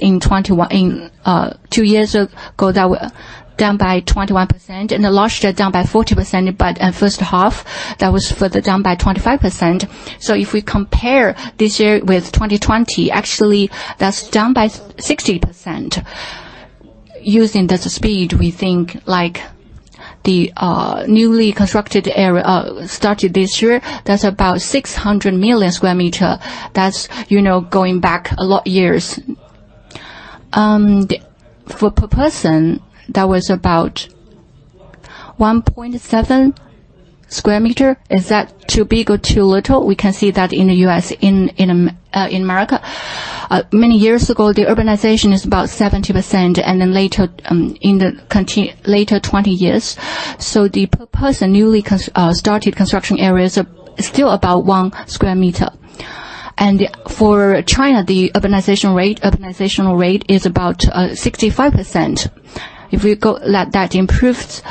two years ago that were down by 21%, and the land are down by 40%, but at first half, that was further down by 25%. So if we compare this year with 2020, actually, that's down by 60%. Using the speed, we think like the newly constructed area started this year, that's about 600 million sq m. That's, you know, going back a lot years. The floor per person, that was about 1.7 sq m. Is that too big or too little? We can see that in the US, in America. Many years ago, the urbanization is about 70%, and then later, twenty years. So the per person newly started construction areas are still about one sq m. And for China, the urbanization rate is about 65%. If we go, let that improved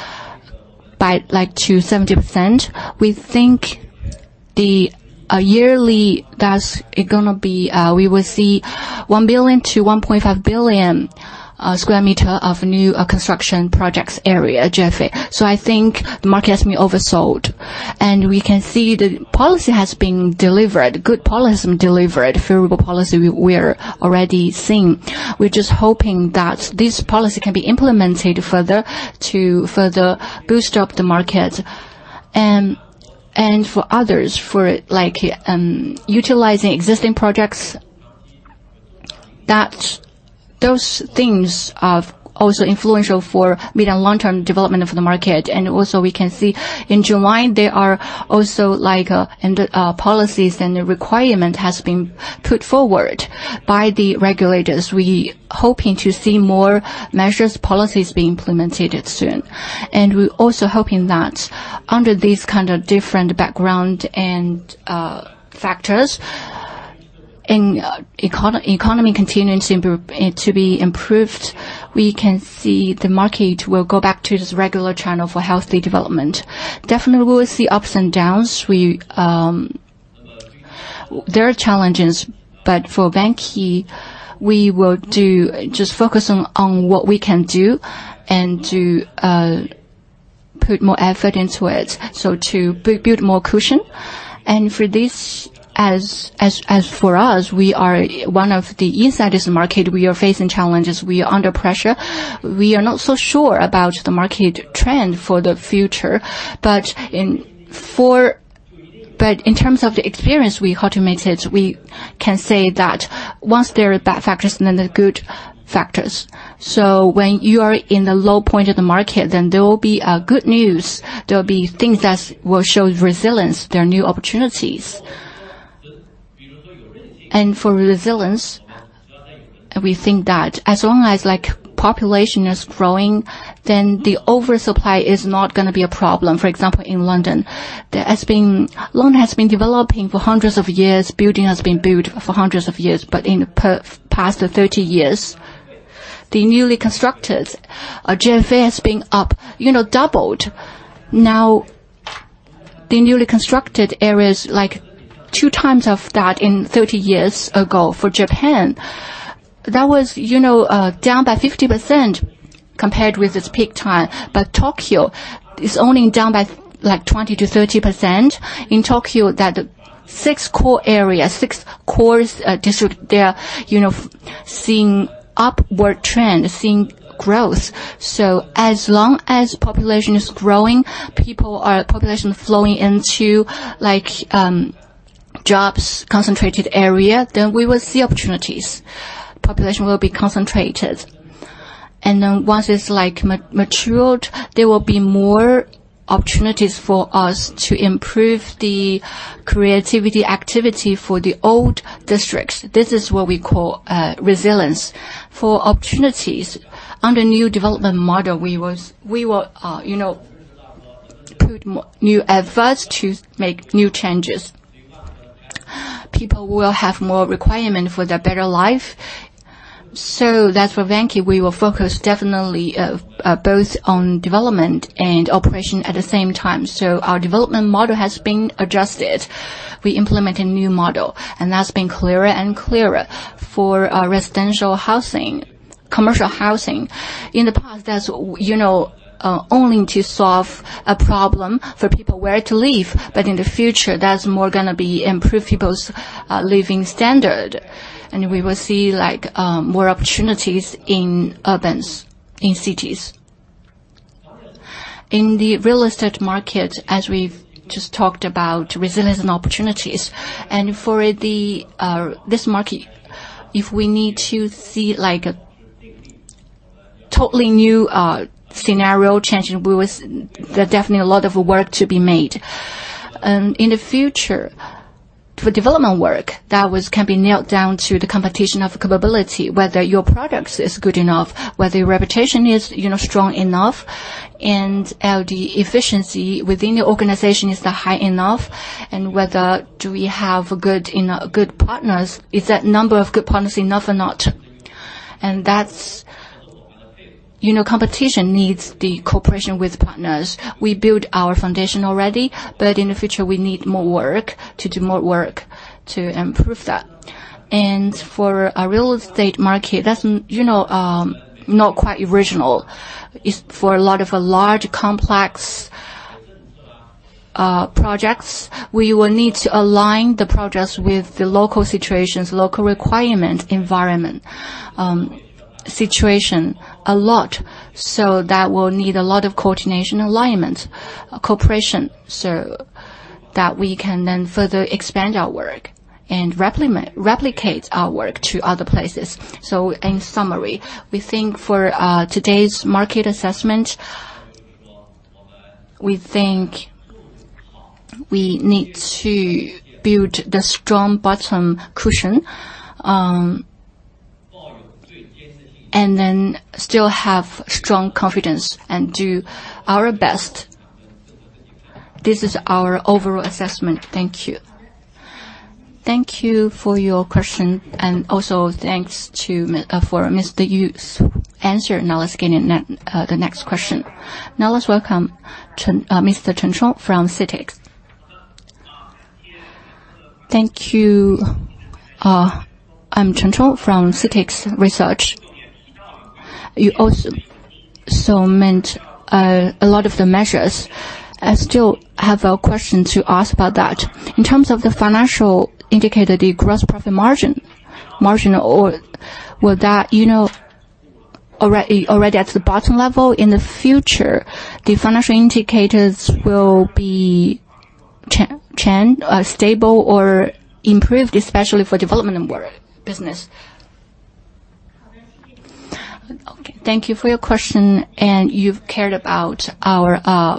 by like to 70%, we think the yearly, that's gonna be, we will see one billion to 1.5 billion sq m of new construction projects area, GFA. So I think the market has been oversold. And we can see the policy has been delivered, good policy has been delivered, favorable policy we're already seeing. We're just hoping that this policy can be implemented further to further boost up the market. And for others, for like, utilizing existing projects, that those things are also influential for mid and long-term development of the market. And also, we can see in July, there are also, like, policies and the requirement has been put forward by the regulators. We're hoping to see more measures, policies being implemented soon. And we're also hoping that under this kind of different background and factors, in economy continuing to improve to be improved, we can see the market will go back to its regular channel for healthy development. Definitely, we will see ups and downs. We... There are challenges, but for Vanke, we will do just focus on what we can do and to put more effort into it, so to build more cushion. For this, as for us, we are one of the insiders market. We are facing challenges. We are under pressure. We are not so sure about the market trend for the future, but in terms of the experience, we how to meet it, we can say that once there are bad factors, then there are good factors. So when you are in the low point of the market, then there will be a good news. There will be things that will show resilience. There are new opportunities. For resilience, we think that as long as like population is growing, then the oversupply is not gonna be a problem. For example, in London, there has been—London has been developing for hundreds of years, building has been built for hundreds of years, but in the past 30 years, the newly constructed GFA has been up, you know, doubled. Now, the newly constructed areas, like two times of that 30 years ago for Japan, that was, you know, down by 50% compared with its peak time, but Tokyo is only down by like 20% - 30%. In Tokyo, that six core areas, six cores, district, they are, you know, seeing upward trend, seeing growth. So as long as population is growing, people are, population flowing into like, jobs concentrated area, then we will see opportunities. Population will be concentrated. And then once it's like ma—matured, there will be more opportunities for us to improve the creativity activity for the old districts. This is what we call resilience. For opportunities, under new development model, we were, you know, put more new efforts to make new changes. People will have more requirement for their better life. So that's for Vanke, we will focus definitely both on development and operation at the same time. So our development model has been adjusted. We implemented a new model, and that's been clearer and clearer for residential housing, commercial housing. In the past, that's, you know, only to solve a problem for people where to live, but in the future, that's more gonna be improve people's living standard. And we will see, like, more opportunities in urbans, in cities. In the real estate market, as we've just talked about, resilience and opportunities, and for the this market, if we need to see like a totally new scenario changing, there definitely a lot of work to be made. In the future, for development work, that was can be nailed down to the competition of capability, whether your products is good enough, whether your reputation is, you know, strong enough, and the efficiency within the organization is the high enough, and whether do we have good, you know, good partners? Is that number of good partners enough or not? And that's, you know, competition needs the cooperation with partners. We build our foundation already, but in the future, we need more work to do more work to improve that. And for a real estate market, that's, you know, not quite original. It's for a lot of large, complex projects, we will need to align the projects with the local situations, local requirement, environment, situation, a lot. So that will need a lot of coordination and alignment, cooperation, so that we can then further expand our work and replicate our work to other places. So in summary, we think for today's market assessment, we think we need to build the strong bottom cushion, and then still have strong confidence and do our best. This is our overall assessment. Thank you. Thank you for your question, and also thanks to Mr. Yu for his answer. Now let's get into the next question. Now let's welcome Mr. Chen Cong from CITICS. Thank you. I'm Chen Cong from CITICS Research. You also meant a lot of the measures. I still have a question to ask about that. In terms of the financial indicator, the gross profit margin, margin or... Would that, you know, already at the bottom level? In the future, the financial indicators will be stable or improved, especially for development and work, business? Okay, thank you for your question, and you've cared about our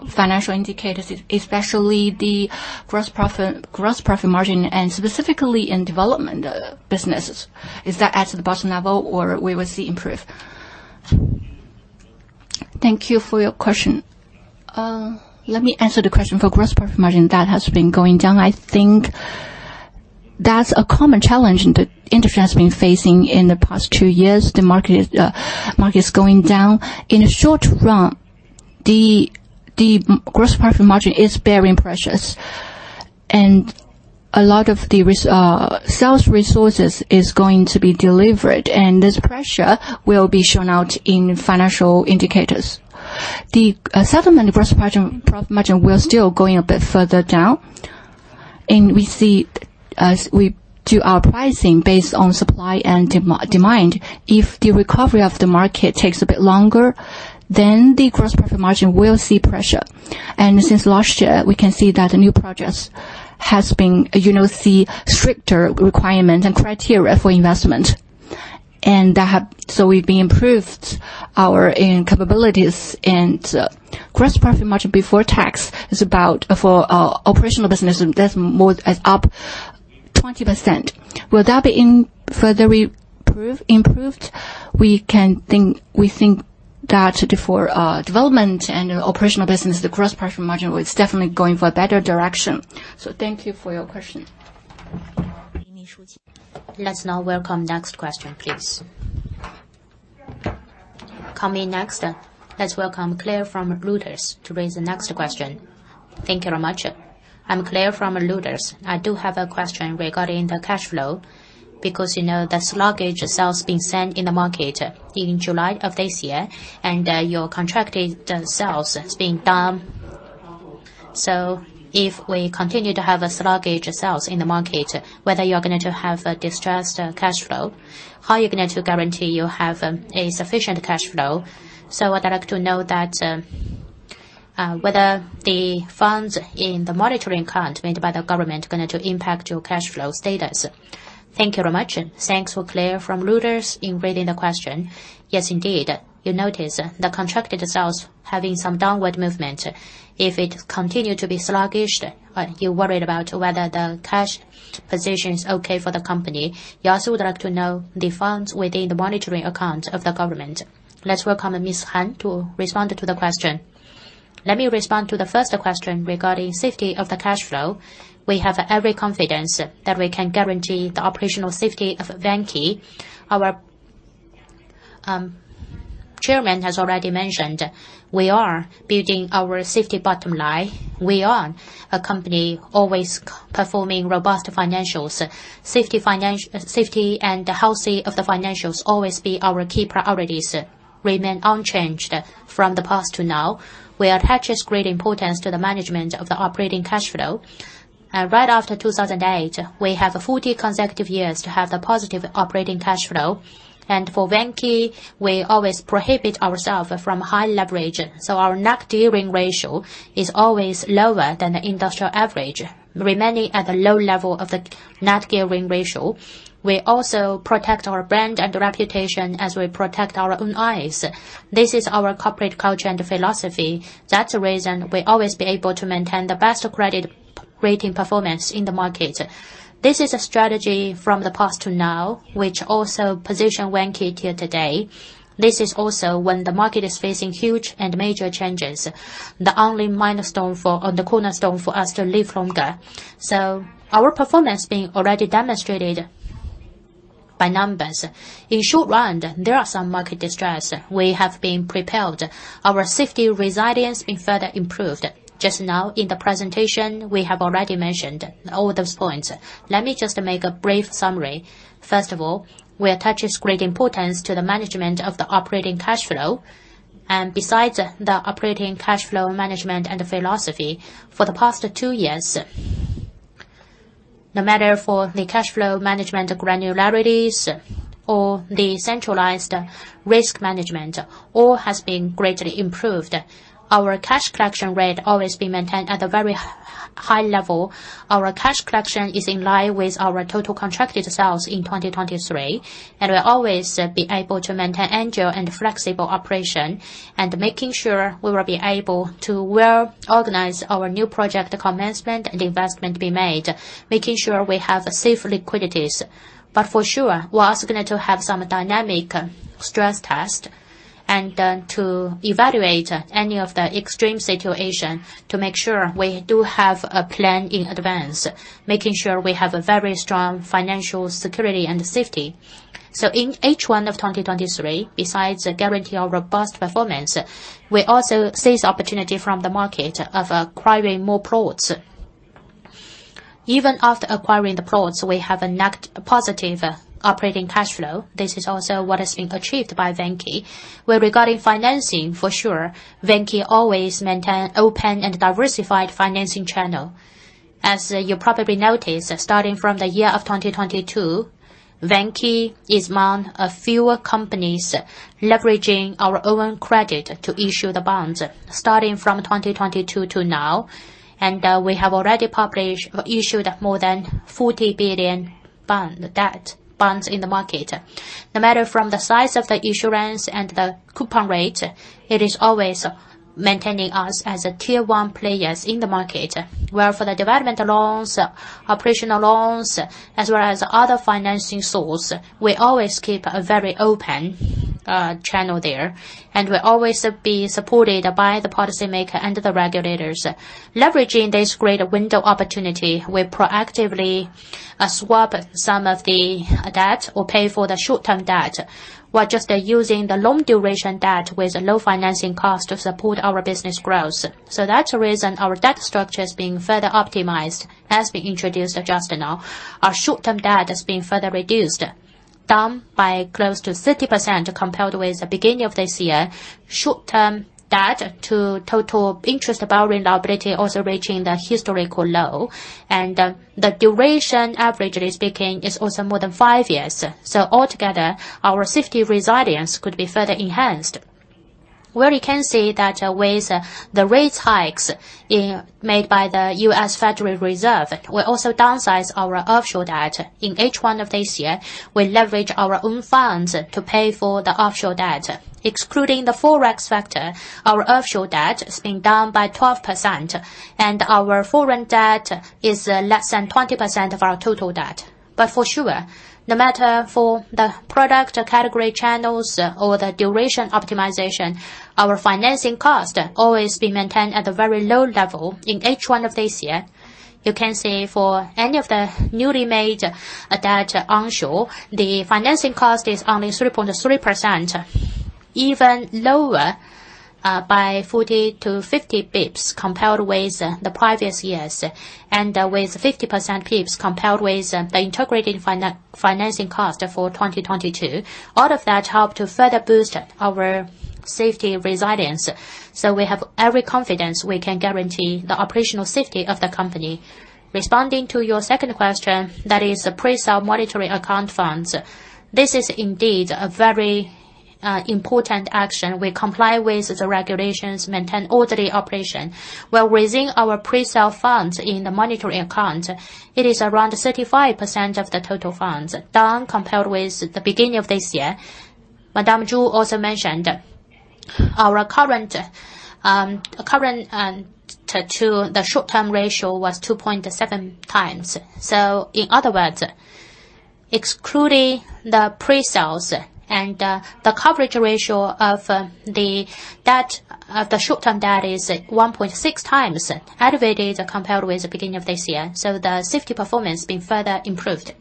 financial indicators, especially the gross profit, gross profit margin, and specifically in development businesses. Is that at the bottom level or we will see improve? Thank you for your question. Let me answer the question. For gross profit margin, that has been going down. I think that's a common challenge the industry has been facing in the past two years. The market is going down. In the short run, the gross profit margin is very precious, and a lot of the sales resources is going to be delivered, and this pressure will be shown out in financial indicators. The settlement gross profit margin will still going a bit further down, and we see, as we do our pricing based on supply and demand, if the recovery of the market takes a bit longer, then the gross profit margin will see pressure. Since last year, we can see that the new projects has been, you know, see stricter requirement and criteria for investment. That have... So we've been improved our own capabilities and gross profit margin before tax is about, for our operational business, that's more as up 20%. Will that be in further improved, improved? We think that for development and operational business, the gross profit margin is definitely going for a better direction. So thank you for your question. Let's now welcome next question, please. Coming next, let's welcome Clare from Reuters to raise the next question. Thank you very much. I'm Clare from Reuters. I do have a question regarding the cash flow, because, you know, the sluggish sales being seen in the market in July of this year, and, your contracted sales is being down. So if we continue to have a sluggish sales in the market, whether you're going to have a distressed, cash flow, how are you going to guarantee you have, a sufficient cash flow? So I'd like to know that, whether the funds in the monitoring account made by the government going to impact your cash flow status. Thank you very much. Thanks for Clare from Reuters in raising the question. Yes, indeed, you notice the contracted sales having some downward movement. If it continue to be sluggish, you're worried about whether the cash position is okay for the company. You also would like to know the funds within the monitoring account of the government. Let's welcome Ms. Han to respond to the question. Let me respond to the first question regarding safety of the cash flow. We have every confidence that we can guarantee the operational safety of Vanke. Our chairman has already mentioned, we are building our safety bottom line. We are a company always performing robust financials. Safety and the health of the financials always be our key priorities, remain unchanged from the past to now. We attach great importance to the management of the operating cash flow. Right after 2008, we have 40 consecutive years to have the positive operating cash flow. And for Vanke, we always prohibit ourselves from high leverage, so our net gearing ratio is always lower than the industry average, remaining at a low level of the net gearing ratio. We also protect our brand and reputation as we protect our own eyes. This is our corporate culture and philosophy. That's the reason we always be able to maintain the best credit rating performance in the market. This is a strategy from the past to now, which also position Vanke till today. This is also when the market is facing huge and major changes, the only milestone for or the cornerstone for us to live longer. So our performance being already demonstrated by numbers. In short run, there are some market distress. We have been prepared. Our safety resilience been further improved. Just now, in the presentation, we have already mentioned all those points. Let me just make a brief summary. First of all, we attach great importance to the management of the operating cash flow, and besides the operating cash flow management and philosophy, for the past two years, no matter for the cash flow management granularities or the centralized risk management, all has been greatly improved. Our cash collection rate always been maintained at a very high level. Our cash collection is in line with our total contracted sales in 2023, and we'll always be able to maintain agile and flexible operation, and making sure we will be able to well organize our new project, commencement and investment be made, making sure we have safe liquidities. But for sure, we are also going to have some dynamic stress test and to evaluate any of the extreme situation to make sure we do have a plan in advance, making sure we have a very strong financial security and safety. So in H1 of 2023, besides guaranteeing our robust performance, we also seize the opportunity from the market of acquiring more products. Even after acquiring the products, we have a net positive operating cash flow. This is also what has been achieved by Vanke. Well, regarding financing, for sure, Vanke always maintain open and diversified financing channel. As you probably noticed, starting from the year of 2022, Vanke is one of few companies leveraging our own credit to issue the bonds, starting from 2022 to now, and we have already published or issued more than 40 billion bond, debt, bonds in the market. No matter from the size of the issuance and the coupon rate, it is always maintaining us as a tier one players in the market, where for the development loans, operational loans, as well as other financing source, we always keep a very open, channel there, and we're always be supported by the policymaker and the regulators. Leveraging this great window opportunity, we proactively, swap some of the debt or pay for the short-term debt, while just using the long-duration debt with a low financing cost to support our business growth. So that's the reason our debt structure is being further optimized, as we introduced just now. Our short-term debt has been further reduced, down by close to 30% compared with the beginning of this year. Short-term debt to total interest-bearing liability also reaching the historical low, and the duration, averagely speaking, is also more than five years. So altogether, our safety resilience could be further enhanced. Where you can see that with the rate hikes made by the U.S. Federal Reserve, we also downsize our offshore debt. In H1 of this year, we leverage our own funds to pay for the offshore debt. Excluding the Forex factor, our offshore debt has been down by 12%, and our foreign debt is less than 20% of our total debt. But for sure, no matter for the product or category channels or the duration optimization, our financing cost always be maintained at a very low level. In H1 of this year, you can see for any of the newly made debt onshore, the financing cost is only 3.3%, even lower by 40-50 basis points compared with the previous years, and with 50 basis points compared with the integrated financing cost for 2022. All of that helped to further boost our safety resilience, so we have every confidence we can guarantee the operational safety of the company. Responding to your second question, that is a pre-sale monetary account funds. This is indeed a very important action. We comply with the regulations, maintain orderly operation, while raising our pre-sale funds in the monetary account, it is around 35% of the total funds, down compared with the beginning of this year. Madame Zhu also mentioned... Our current to the short-term ratio was 2.7 times. So in other words, excluding the pre-sales and the coverage ratio of the short-term debt is 1.6 times elevated compared with the beginning of this year, so the safety performance been further improved.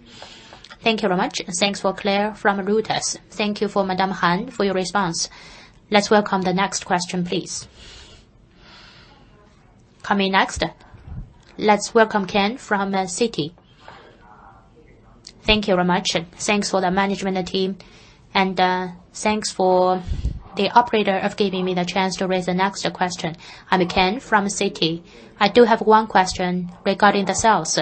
Thank you very much. Thanks for Clare from Reuters. Thank you for Madame Han for your response. Let's welcome the next question, please. Coming next, let's welcome Ken from Citi. Thank you very much. Thanks for the management team, and thanks for the operator for giving me the chance to raise the next question. I'm Ken from Citi. I do have one question regarding the sales.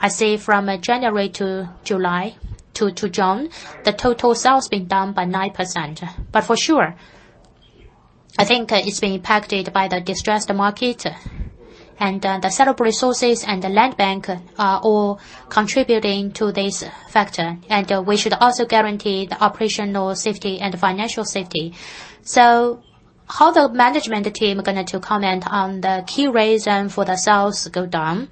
I see from January to June the total sales been down by 9%. But for sure, I think it's been impacted by the distressed market and the sale of resources and the land bank are all contributing to this factor, and we should also guarantee the operational safety and financial safety. So how the management team are going to comment on the key reason for the sales to go down?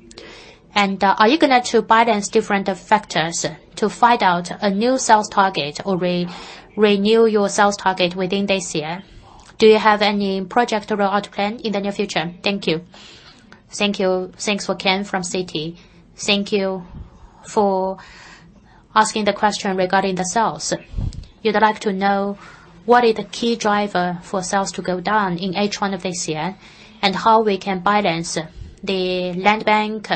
And are you gonna to balance different factors to find out a new sales target or renew your sales target within this year? Do you have any project or road plan in the near future? Thank you. Thank you. Thanks for Ken from Citi. Thank you for asking the question regarding the sales. You'd like to know what is the key driver for sales to go down in H1 of this year, and how we can balance the land bank,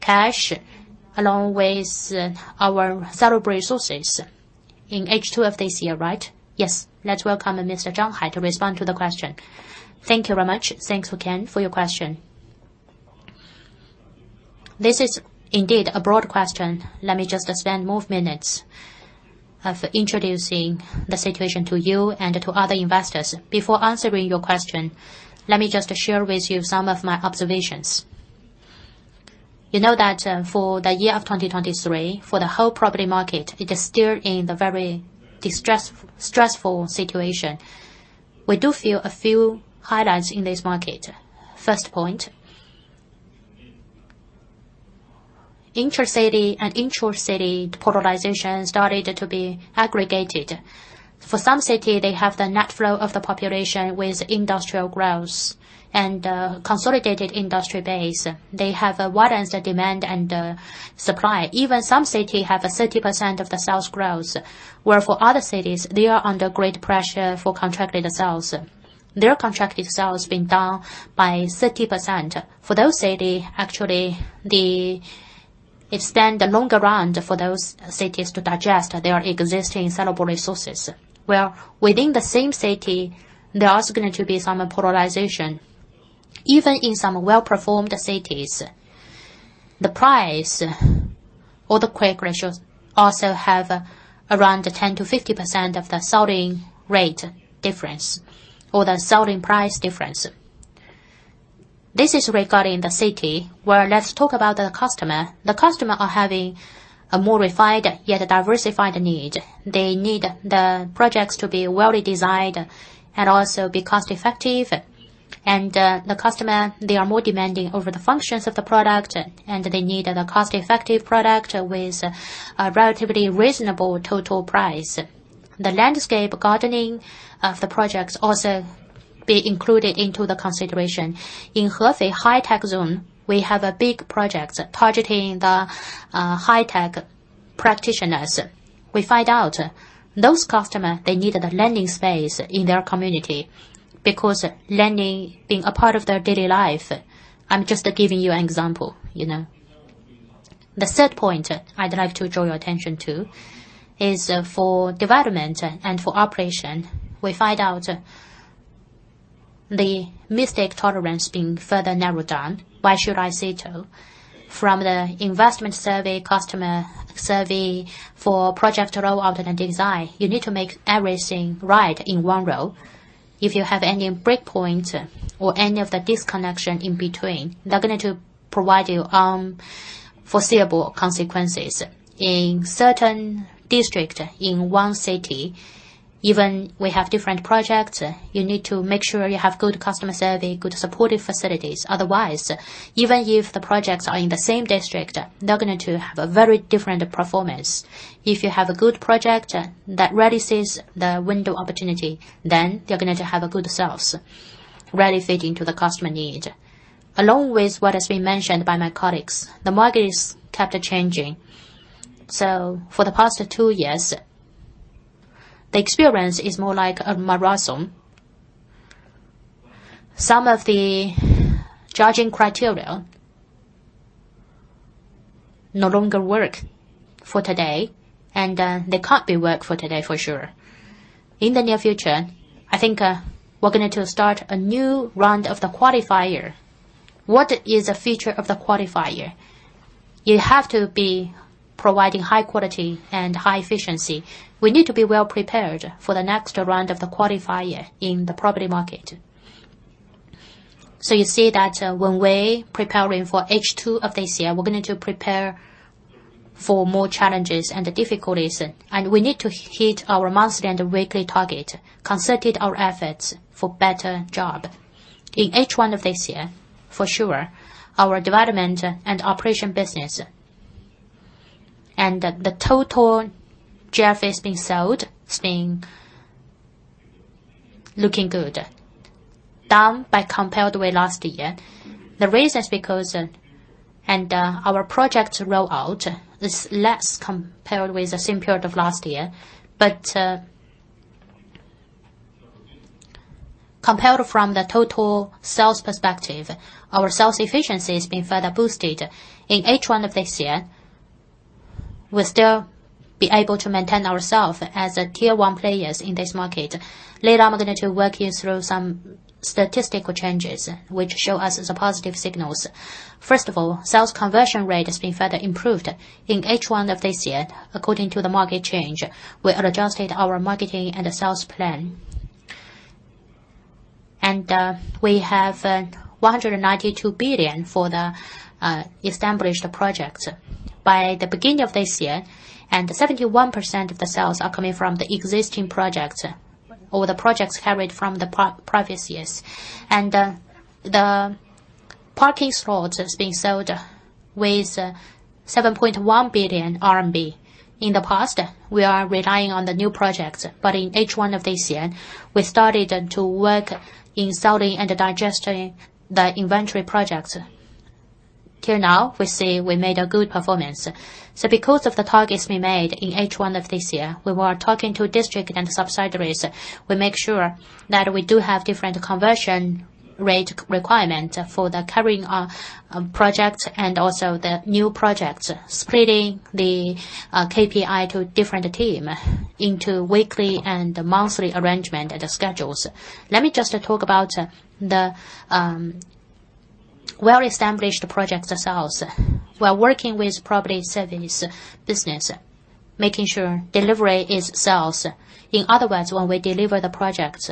cash, along with our saleable resources in H2 of this year, right? Yes. Let's welcome Mr. Zhang Hai to respond to the question. Thank you very much. Thanks for Ken, for your question. This is indeed a broad question. Let me just spend more minutes of introducing the situation to you and to other investors. Before answering your question, let me just share with you some of my observations. You know that, for the year of 2023, for the whole property market, it is still in the very distressed, stressful situation. We do feel a few highlights in this market. First point, intracity and intracity polarization started to be aggregated. For some city, they have the net flow of the population with industrial growth and, consolidated industry base. They have a widened the demand and, supply. Even some city have a 30% of the sales growth, where for other cities, they are under great pressure for contracted sales. Their contracted sales been down by 30%. For those city, actually, It's then the longer run for those cities to digest their existing sellable resources. Where within the same city, there are also going to be some polarization. Even in some well-performed cities, the price or the quick ratios also have around 10% - 50% of the selling rate difference or the selling price difference. This is regarding the city, well, let's talk about the customer. The customer are having a more refined yet diversified need. They need the projects to be well designed and also be cost-effective. And, the customer, they are more demanding over the functions of the product, and they need a cost-effective product with a relatively reasonable total price. The landscape gardening of the projects also be included into the consideration. In Hefei High-Tech Zone, we have a big project targeting the high-tech practitioners. We find out those customer, they need a landscaping space in their community because landscaping being a part of their daily life. I'm just giving you an example, you know. The third point I'd like to draw your attention to is, for development and for operation, we find out the mistake tolerance being further narrowed down. Why should I say so? From the investment survey, customer survey for project road alternate design, you need to make everything right in one row. If you have any breakpoint or any of the disconnection in between, they're going to provide you foreseeable consequences. In certain district, in one city, even we have different projects, you need to make sure you have good customer survey, good supportive facilities. Otherwise, even if the projects are in the same district, they're going to have a very different performance. If you have a good project that releases the window opportunity, then you're going to have a good sales, really fitting to the customer need. Along with what has been mentioned by my colleagues, the market is kept changing. So for the past two years, the experience is more like a marathon. Some of the judging criteria no longer work for today, and they can't be worked for today for sure. In the near future, I think, we're going to start a new round of the qualifier. What is a feature of the qualifier? You have to be providing high quality and high efficiency. We need to be well prepared for the next round of the qualifier in the property market.... So you see that, when we're preparing for H2 of this year, we're going to prepare for more challenges and the difficulties, and we need to hit our monthly and weekly target, concentrate our efforts for better job. In H1 of this year, for sure, our development and operation business, and the total GFA being sold, it's been looking good, down by compared with last year. The reason is because, our project rollout is less compared with the same period of last year. But, compared from the total sales perspective, our sales efficiency has been further boosted. In H1 of this year, we'll still be able to maintain ourselves as a tier-one players in this market. Later on, I'm going to walk you through some statistical changes which show us the positive signals. First of all, sales conversion rate has been further improved. In H1 of this year, according to the market change, we adjusted our marketing and sales plan. We have 192 billion for the established projects by the beginning of this year, and 71% of the sales are coming from the existing projects or the projects carried from the pre-previous years. The parking slots is being sold with 7.1 billion RMB. In the past, we are relying on the new projects, but in H1 of this year, we started to work in selling and digesting the inventory projects. Till now, we see we made a good performance. So because of the targets we made in H1 of this year, we were talking to district and subsidiaries. We make sure that we do have different conversion rate requirements for the carrying project and also the new projects, splitting the KPI to a different team into weekly and monthly arrangements and schedules. Let me just talk about the well-established projects themselves. We're working with property service business, making sure delivery is sales. In other words, when we deliver the projects,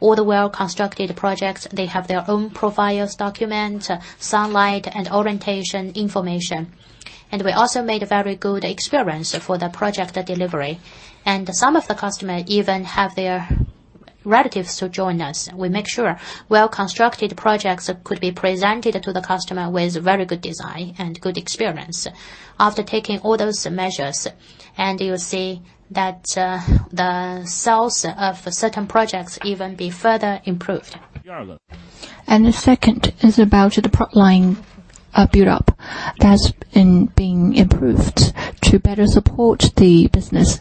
all the well-constructed projects, they have their own profiles, documents, sunlight, and orientation information. And we also made a very good experience for the project delivery. And some of the customers even have their relatives to join us. We make sure well-constructed projects could be presented to the customer with very good design and good experience. After taking all those measures, you will see that the sales of certain projects even be further improved. The second is about the product line, build-up, that's being improved to better support the business.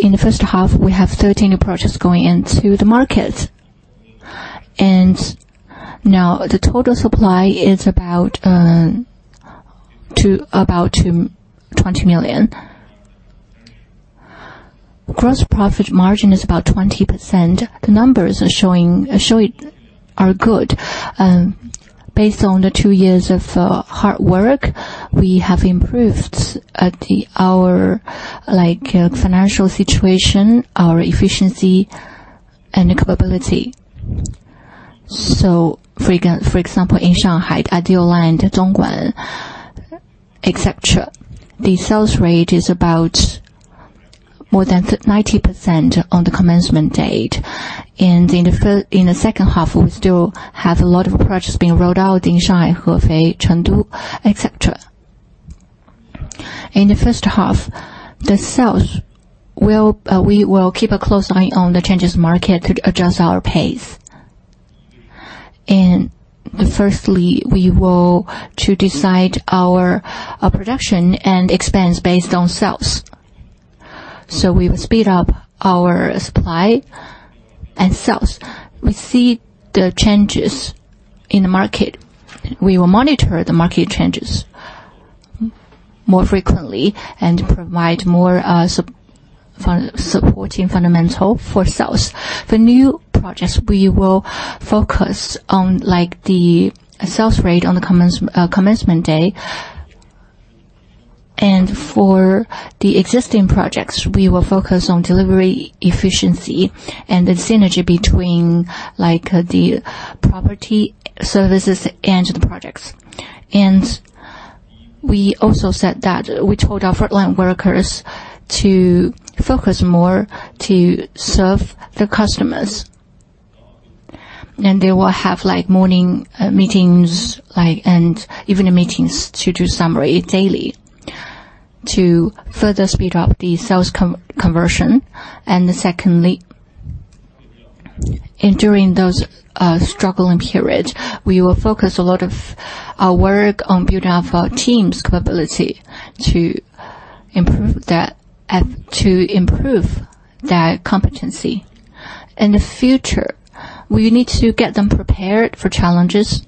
In the first half, we have 13 approaches going into the market, and now the total supply is about 20 million. Gross profit margin is about 20%. The numbers showing are good. Based on the two years of hard work, we have improved the... Our like, financial situation, our efficiency and capability. So for example, in Shanghai, Ideal Place, the Dongguan, etc., the sales rate is about more than 90% on the commencement date. And in the second half, we still have a lot of projects being rolled out in Shanghai, Hefei, Chengdu, etc. In the first half, the sales will, we will keep a close eye on the market changes to adjust our pace. Firstly, we will decide our production and expense based on sales. So we will speed up our supply and sales. We see the changes in the market. We will monitor the market changes more frequently and provide more supporting fundamental for sales. The new projects, we will focus on, like, the sales rate on the commencement day. For the existing projects, we will focus on delivery, efficiency, and the synergy between, like, the property services and the projects. We also said that we told our frontline workers to focus more to serve the customers. They will have, like, morning meetings, like, and even meetings to do summary daily to further speed up the sales conversion. Secondly, during those struggling periods, we will focus a lot of our work on building up our team's capability to improve that, to improve their competency. In the future, we need to get them prepared for challenges,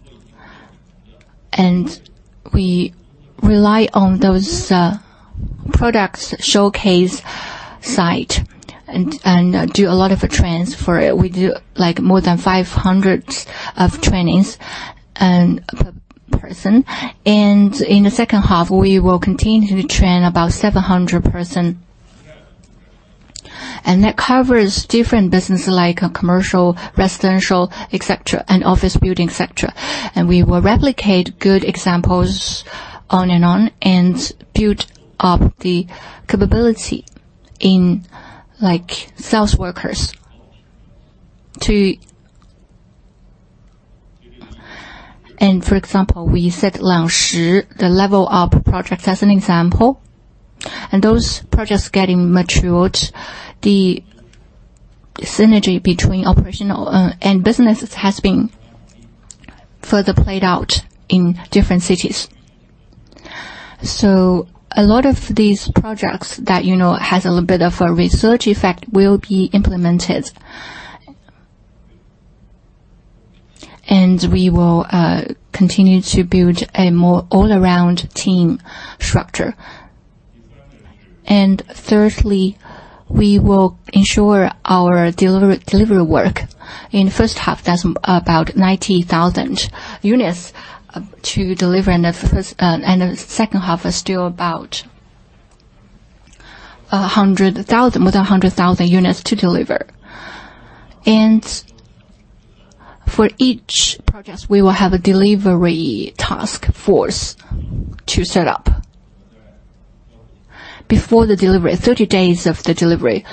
and we rely on those products showcase site and do a lot of trends for it. We do like more than 500 trainings per person. In the second half, we will continue to train about 700 person-... And that covers different businesses like commercial, residential, et cetera, and office building, et cetera. And we will replicate good examples on and on, and build up the capability in, like, sales workers to- And for example, we set Langshi, the level-up project, as an example. And those projects getting matured, the synergy between operational, and businesses has been further played out in different cities. So a lot of these projects that, you know, has a little bit of a research effect, will be implemented. And we will continue to build a more all-around team structure. And thirdly, we will ensure our delivery, delivery work. In first half, that's about 90,000 units to deliver in the first... And the second half is still about 100,000, more than 100,000 units to deliver. For each project, we will have a delivery task force to set up. Before the delivery, 30 days before the delivery,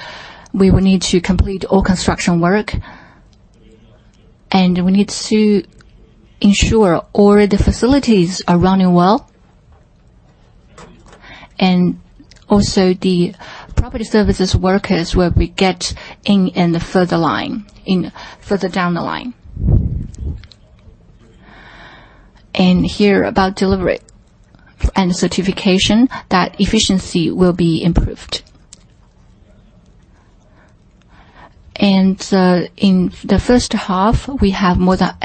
we will need to complete all construction work, and we need to ensure all the facilities are running well, and also the property services workers will be get in, in the front line, further down the line. Here, about delivery and certification, that efficiency will be improved. In the first half, we have more than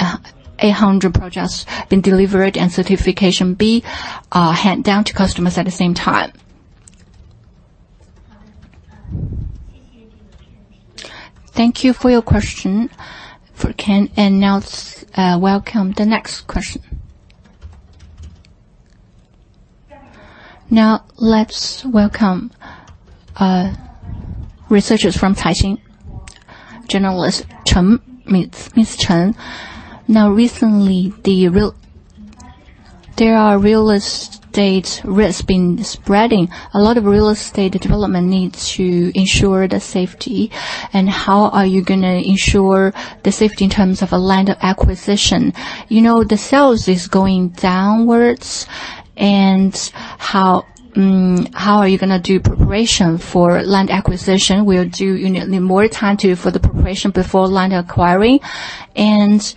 800 projects been delivered, and certification be hand down to customers at the same time. Thank you for your question, for Ken. Now, let's welcome the next question. Now, let's welcome researchers from Caixin, journalist Che, Miss Che. Now, recently, there are real estate risks been spreading. A lot of real estate development needs to ensure the safety, and how are you gonna ensure the safety in terms of a land acquisition? You know, the sales is going downwards, and how are you gonna do preparation for land acquisition? Will you do, you know, more time to, for the preparation before land acquiring? And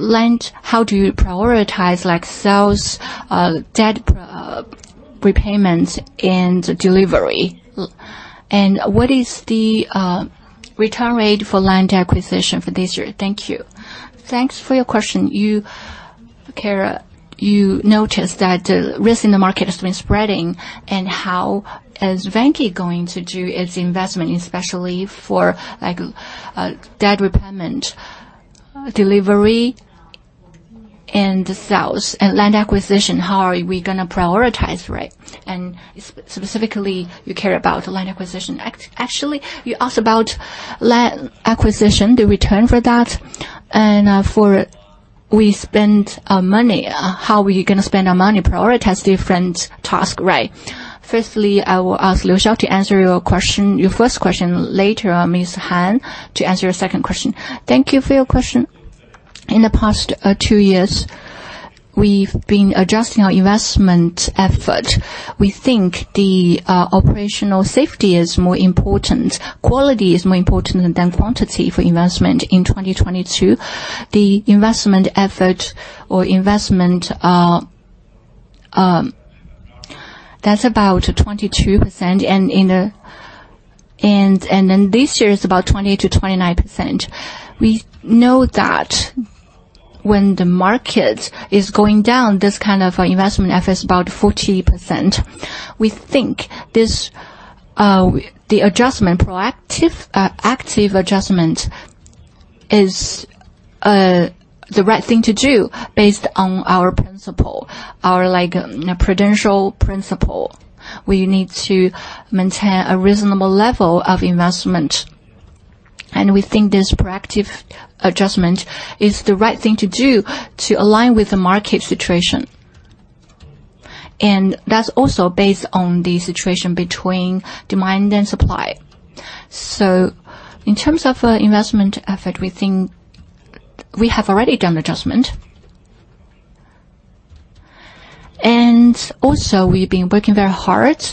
land, how do you prioritize, like, sales, debt, repayments and delivery? And what is the return rate for land acquisition for this year? Thank you. Thanks for your question. You care, you noticed that risk in the market has been spreading, and how is Vanke going to do its investment, especially for, like, debt repayment, delivery, and the sales, and land acquisition? How are we gonna prioritize, right? And specifically, you care about the land acquisition. Actually, you asked about land acquisition, the return for that, and, for we spend, money, how we are gonna spend our money, prioritize different task, right? Firstly, I will ask Liu Xiao to answer your question, your first question, later on, Ms. Han, to answer your second question. Thank you for your question. In the past, two years, we've been adjusting our investment effort. We think the operational safety is more important. Quality is more important than quantity for investment in 2022. The investment effort or investment, that's about 22%, and in and then this year, it's about 20% - 29%. We know that when the market is going down, this kind of investment effort is about 40%. We think this, the adjustment, proactive, active adjustment is, the right thing to do, based on our principle. Our like, prudential principle. We need to maintain a reasonable level of investment, and we think this proactive adjustment is the right thing to do to align with the market situation. And that's also based on the situation between demand and supply. So in terms of, investment effort, we think we have already done adjustment. And also, we've been working very hard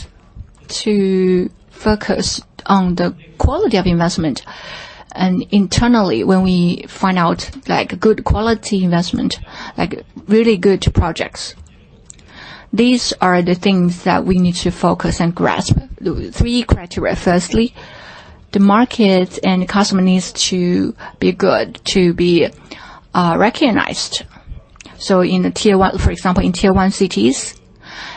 to focus on the quality of investment. And internally, when we find out, like, good quality investment, like, really good projects, these are the things that we need to focus and grasp. The three criteria: firstly, the market and the customer needs to be good, to be, recognized. So in the Tier 1, for example, in Tier 1 cities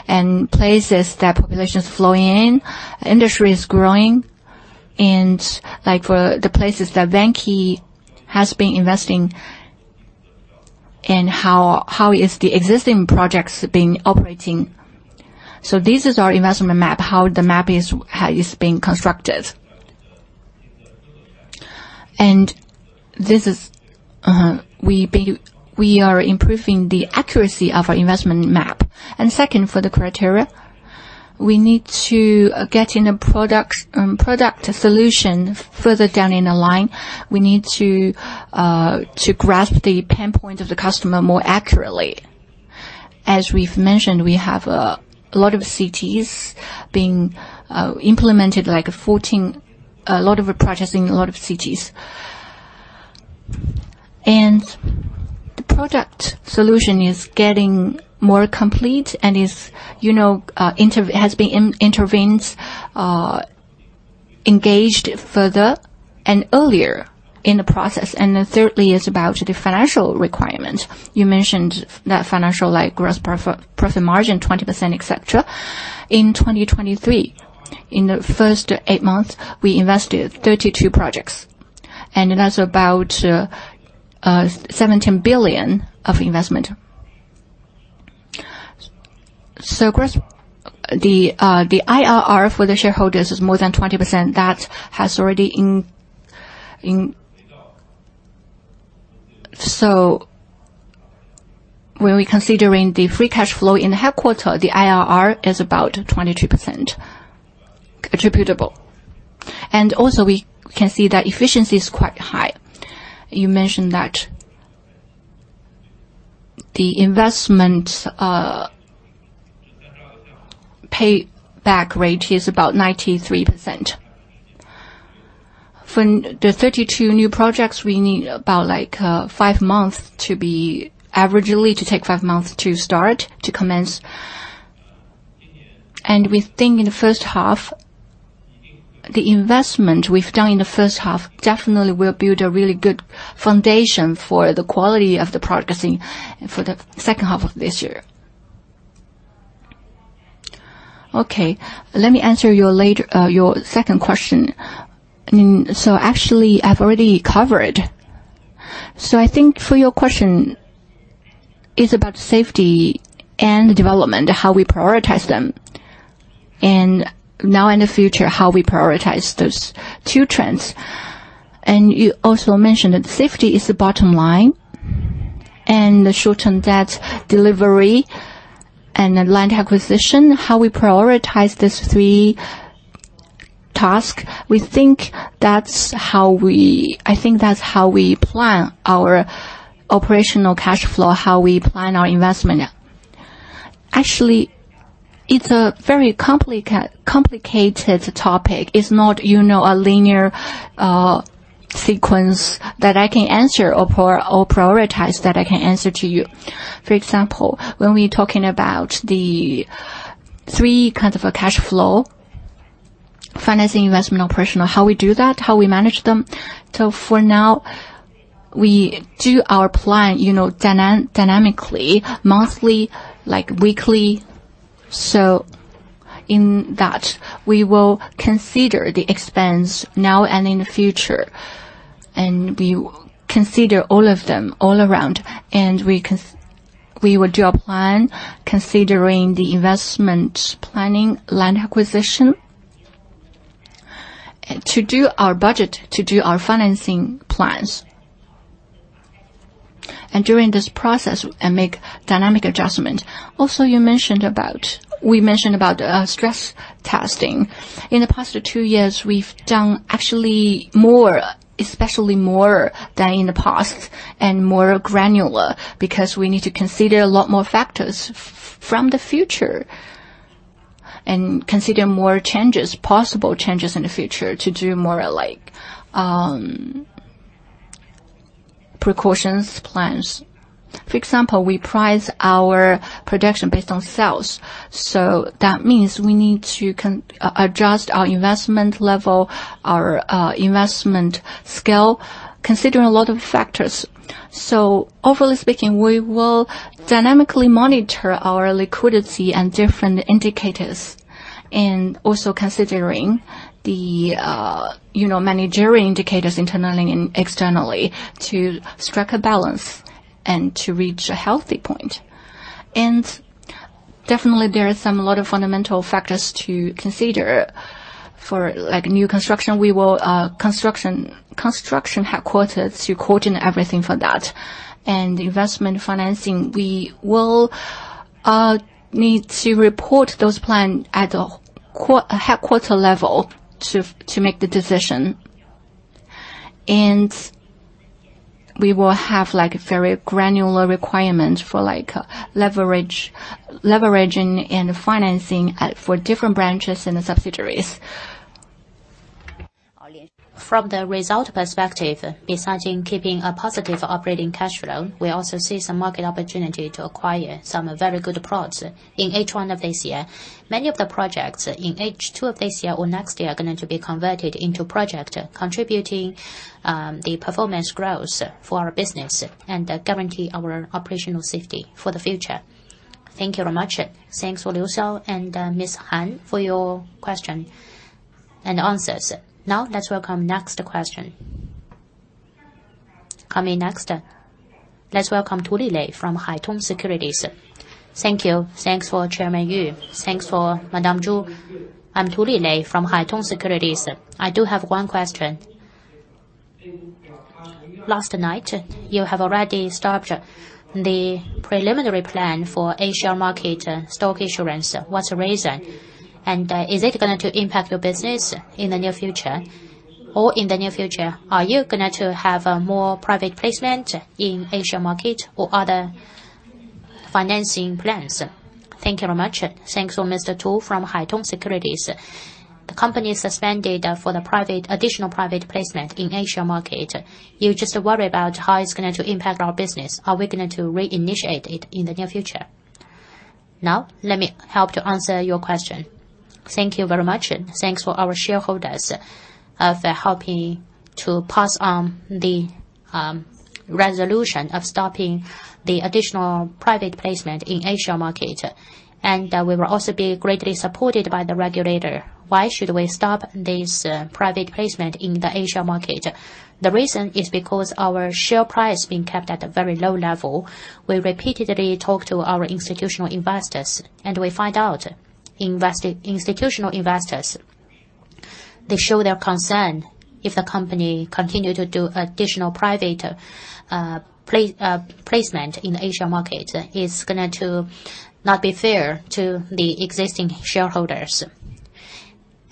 and places that population is flowing in, industry is growing, and like for the places that Vanke has been investing. And how is the existing projects being operating? So this is our investment map, how the map is, how it's being constructed. And this is, we are improving the accuracy of our investment map. And second, for the criteria, we need to get in a product, product solution further down in the line. We need to to grasp the pain point of the customer more accurately. As we've mentioned, we have a lot of cities being implemented, like 14 a lot of projects in a lot of cities. The product solution is getting more complete and is, you know, has been engaged further and earlier in the process. And then thirdly, is about the financial requirement. You mentioned that financial, like, gross profit margin, 20%, et cetera. In 2023, in the first eight months, we invested 32 projects, and that's about 17 billion of investment. The IRR for the shareholders is more than 20%. That has already in, in... So when we're considering the free cash flow in headquarters, the IRR is about 22% attributable. And also, we can see that efficiency is quite high. You mentioned that the investment payback rate is about 93%. For the 32 new projects, we need about, like, averagely, to take five months to start, to commence. We think in the first half, the investment we've done in the first half definitely will build a really good foundation for the quality of the progressing for the second half of this year. Okay, let me answer your latter, your second question. So actually, I've already covered. So I think for your question, is about safety and development, how we prioritize them, and now in the future, how we prioritize those two trends. And you also mentioned that safety is the bottom line, and the short-term debt delivery and the land acquisition, how we prioritize these three tasks, we think that's how we... I think that's how we plan our operational cash flow, how we plan our investment. Actually, it's a very complicated topic. It's not, you know, a linear sequence that I can answer, or prioritize, that I can answer to you. For example, when we're talking about the three kinds of cash flow, financing, investment, operational, how we do that, how we manage them. So for now, we do our plan, you know, dynamically, monthly, like weekly. So in that, we will consider the expense now and in the future, and we consider all of them all around, and we will do a plan considering the investment planning, land acquisition, to do our budget, to do our financing plans, and during this process, and make dynamic adjustment. Also, we mentioned about stress testing. In the past two years, we've done actually more, especially more than in the past, and more granular, because we need to consider a lot more factors from the future, and consider more changes, possible changes in the future, to do more like precautions plans. For example, we price our production based on sales, so that means we need to adjust our investment level, our investment scale, considering a lot of factors. So overall speaking, we will dynamically monitor our liquidity and different indicators, and also considering the, you know, managerial indicators, internally and externally, to strike a balance and to reach a healthy point. And definitely, there are some lot of fundamental factors to consider. For like new construction, we will construction headquarters to quote in everything for that. And investment financing, we will need to report those plan at a headquarter level to make the decision. And we will have, like, a very granular requirement for, like, leverage, leveraging and financing at, for different branches and subsidiaries. From the result perspective, besides in keeping a positive operating cash flow, we also see some market opportunity to acquire some very good products in H1 of this year. Many of the projects in H2 of this year or next year are going to be converted into project, contributing the performance growth for our business and guarantee our operational safety for the future. Thank you very much. Thanks for Liu Xiao and Ms. Han for your question and answers. Now, let's welcome next question. Coming next, let's welcome Tu Li from Haitong Securities. Thank you. Thanks for Chairman Yu. Thanks for Madame Zhu. I'm Tu Li from Haitong Securities. I do have one question. Last night, you have already stopped the preliminary plan for Asia market stock insurance. What's the reason? And, is it going to impact your business in the near future? Or in the near future, are you gonna to have more private placement in Asia market or other financing plans? Thank you very much. Thanks for Mr. Tu from Haitong Securities. The company suspended for the private, additional private placement in Asia market. You just worry about how it's going to impact our business. Are we going to re-initiate it in the near future? Now, let me help to answer your question. Thank you very much, and thanks for our shareholders for helping to pass on the resolution of stopping the additional private placement in Asia market. And we will also be greatly supported by the regulator. Why should we stop this private placement in the Asia market? The reason is because our share price being kept at a very low level. We repeatedly talk to our institutional investors, and we find out institutional investors they show their concern if the company continue to do additional private placement in the Asia market, it's gonna to not be fair to the existing shareholders.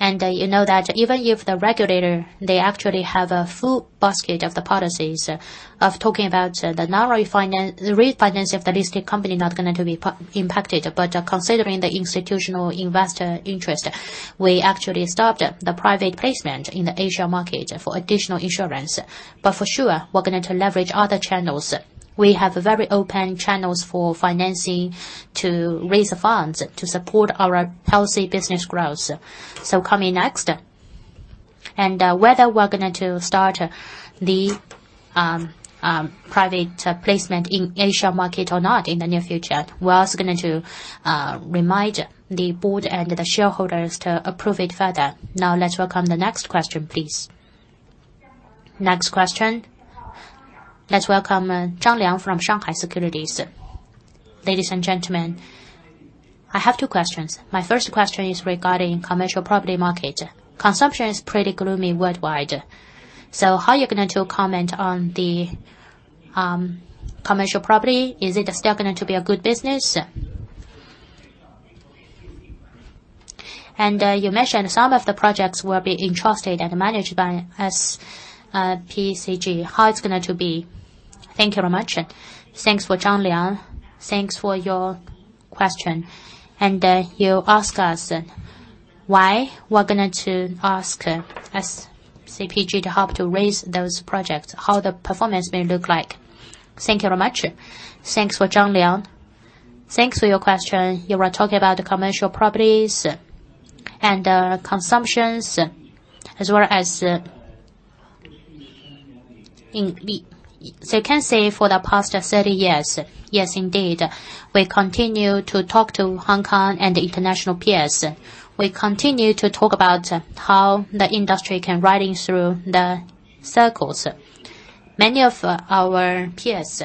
You know that even if the regulator they actually have a full basket of the policies of talking about the refinancing of the listed company not going to be impacted, but considering the institutional investor interest, we actually stopped the private placement in the Asia market for additional insurance. But for sure, we're going to leverage other channels. We have very open channels for financing to raise the funds to support our healthy business growth. So coming next, and whether we're going to start the private placement in Asia market or not in the near future, we're also going to remind the board and the shareholders to approve it further. Now, let's welcome the next question, please. Next question. Let's welcome Zhang Liang from Shanghai Securities. Ladies and gentlemen, I have two questions. My first question is regarding commercial property market. Consumption is pretty gloomy worldwide. So how are you going to comment on the commercial property? Is it still going to be a good business? And you mentioned some of the projects will be entrusted and managed by SCPG. How it's going to be? Thank you very much. Thanks for Zhang Liang. Thanks for your question. You ask us, why we're going to ask SCPG to help to raise those projects, how the performance may look like. Thank you very much. Thanks for Zhang Liang. Thanks for your question. You were talking about the commercial properties and consumptions, as well as in the... So you can say for the past 30 years, yes, indeed, we continue to talk to Hong Kong and the international peers. We continue to talk about how the industry can riding through the circles. Many of our peers,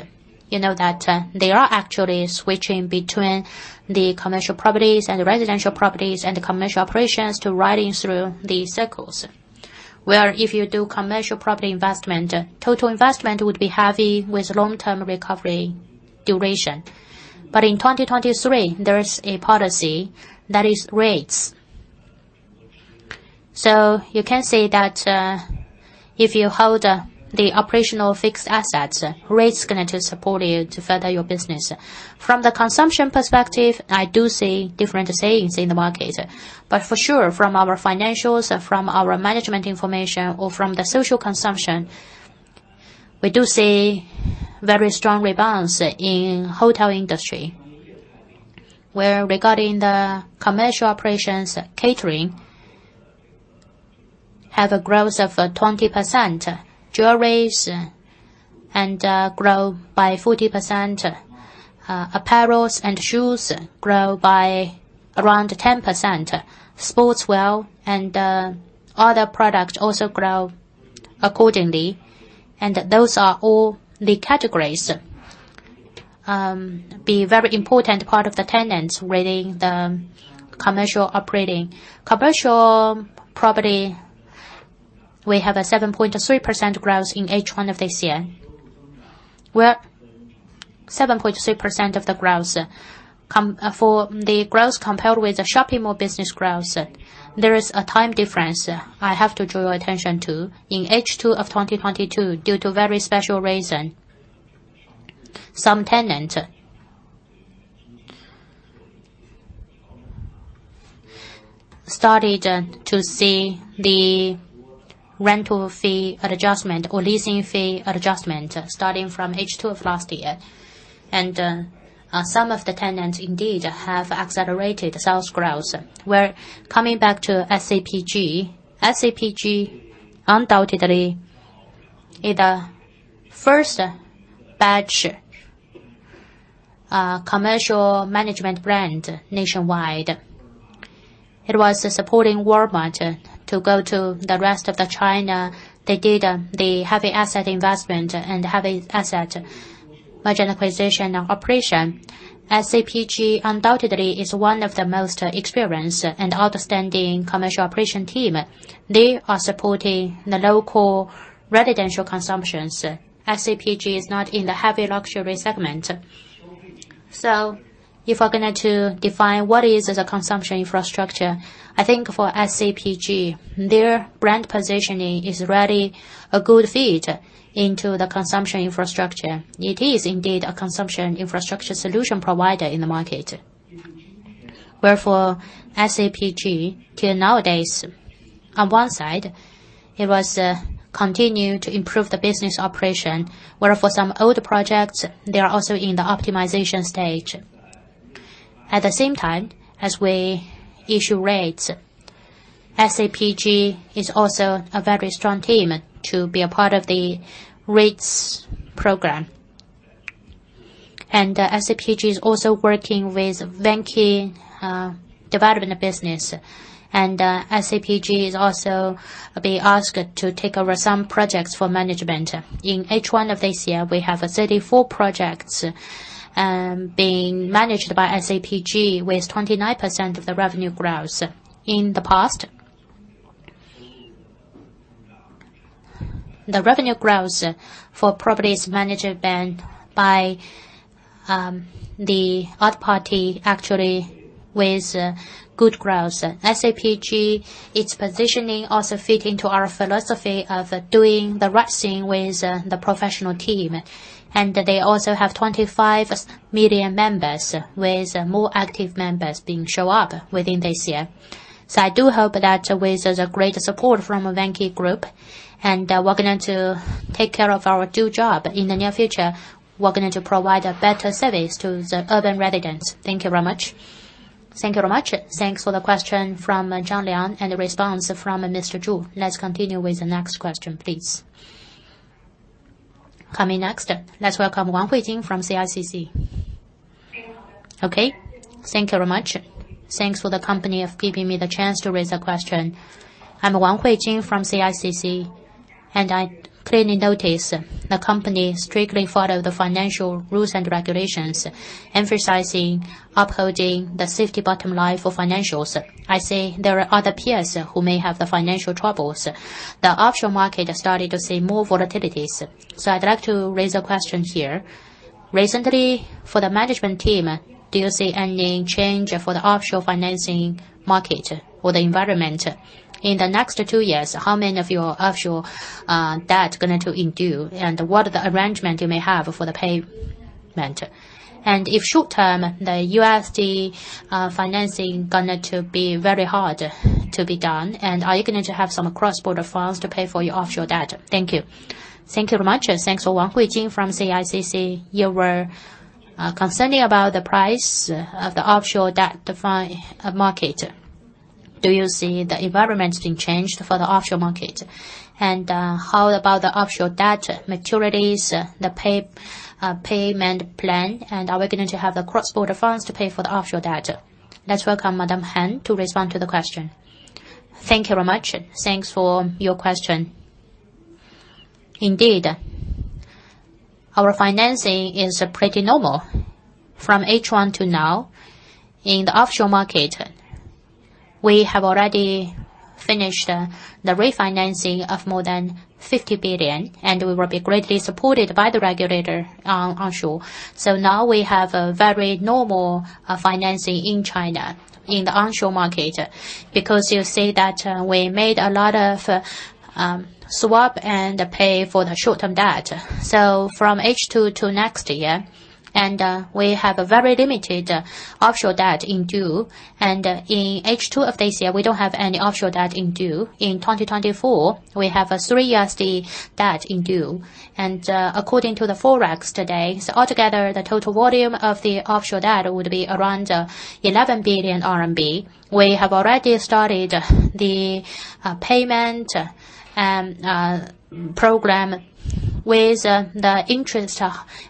you know, that they are actually switching between the commercial properties and residential properties and the commercial operations to riding through the circles. Where if you do commercial property investment, total investment would be heavy with long-term recovery duration. But in 2023, there is a policy that is rates. So you can say that, if you hold the operational fixed assets, rates are going to support you to further your business. From the consumption perspective, I do see different sayings in the market, but for sure, from our financials, from our management information or from the social consumption, we do see very strong rebounds in hotel industry. Where regarding the commercial operations, catering have a growth of 20%, jewelries and grow by 40%, uh, apparels and shoes grow by around 10%. Sports wear and other products also grow accordingly, and those are all the categories be very important part of the tenants within the commercial operating. Commercial property, we have a 7.3% growth in H1 of this year, where 7.3% of the growth, for the growth compared with the shopping mall business growth, there is a time difference. I have to draw your attention to in H2 of 2022, due to very special reason, some tenants... started to see the rental fee adjustment or leasing fee adjustment starting from H2 of last year. And, some of the tenants indeed have accelerated sales growth. Well, coming back to SCPG. SCPG, undoubtedly, is the first batch commercial management brand nationwide. It was supporting Walmart to go to the rest of the China. They did the heavy asset investment and heavy asset merger acquisition operation. SCPG undoubtedly is one of the most experienced and outstanding commercial operation team. They are supporting the local residential consumptions. SCPG is not in the heavy luxury segment. So if we're going to define what is the consumption infrastructure, I think for SCPG, their brand positioning is really a good fit into the consumption infrastructure. It is indeed a consumption infrastructure solution provider in the market. Where for SCPG, till nowadays, on one side, it was continue to improve the business operation, where for some old projects, they are also in the optimization stage. At the same time, as we issue REITs, SCPG is also a very strong team to be a part of the REITs program. And SCPG is also working with Vanke development business. And SCPG is also being asked to take over some projects for management. In H1 of this year, we have 34 projects being managed by SCPG, with 29% of the revenue growth. In the past, the revenue growth for properties managed by the third party actually with good growth. SCPG, its positioning also fit into our philosophy of doing the right thing with the professional team. And they also have 25 million members, with more active members being showing up within this year. So I do hope that with the great support from Vanke Group, and we're going to take care of our due job. In the near future, we're going to provide a better service to the urban residents. Thank you very much. Thank you very much. Thanks for the question from Zhang Liang and the response from Mr. Zhu. Let's continue with the next question, please. Coming next, let's welcome Wang Huijing from CICC. Okay. Thank you very much. Thanks for the company of giving me the chance to raise a question. I'm Wang Huijing from CICC, and I clearly notice the company strictly follow the financial rules and regulations, emphasizing upholding the safety bottom line for financials. I say there are other peers who may have the financial troubles. The offshore market has started to see more volatilities. So I'd like to raise a question here. Recently, for the management team, do you see any change for the offshore financing market or the environment? In the next two years, how many of your offshore debt going to in due, and what are the arrangement you may have for the payment? And if short term, the US dollar financing going to be very hard to be done, and are you going to have some cross-border funds to pay for your offshore debt? Thank you. Thank you very much. Thanks for Wang Huijing from CICC. You were concerning about the price of the offshore debt market. Do you see the environment being changed for the offshore market? And, how about the offshore debt maturities, the payment plan, and are we going to have the cross-border funds to pay for the offshore debt? Let's welcome Madam Han to respond to the question. Thank you very much. Thanks for your question. Indeed, our financing is pretty normal. From H1 to now, in the offshore market, we have already finished the refinancing of more than 50 billion, and we will be greatly supported by the regulator onshore. So now we have a very normal financing in China, in the onshore market, because you see that, we made a lot of swap and pay for the short-term debt. So from H2 to next year, and we have a very limited offshore debt due, and in H2 of this year, we don't have any offshore debt due. In 2024, we have a $3 USD debt due, and according to the Forex today, so altogether, the total volume of the offshore debt would be around 11 billion RMB. We have already started the payment program with the interest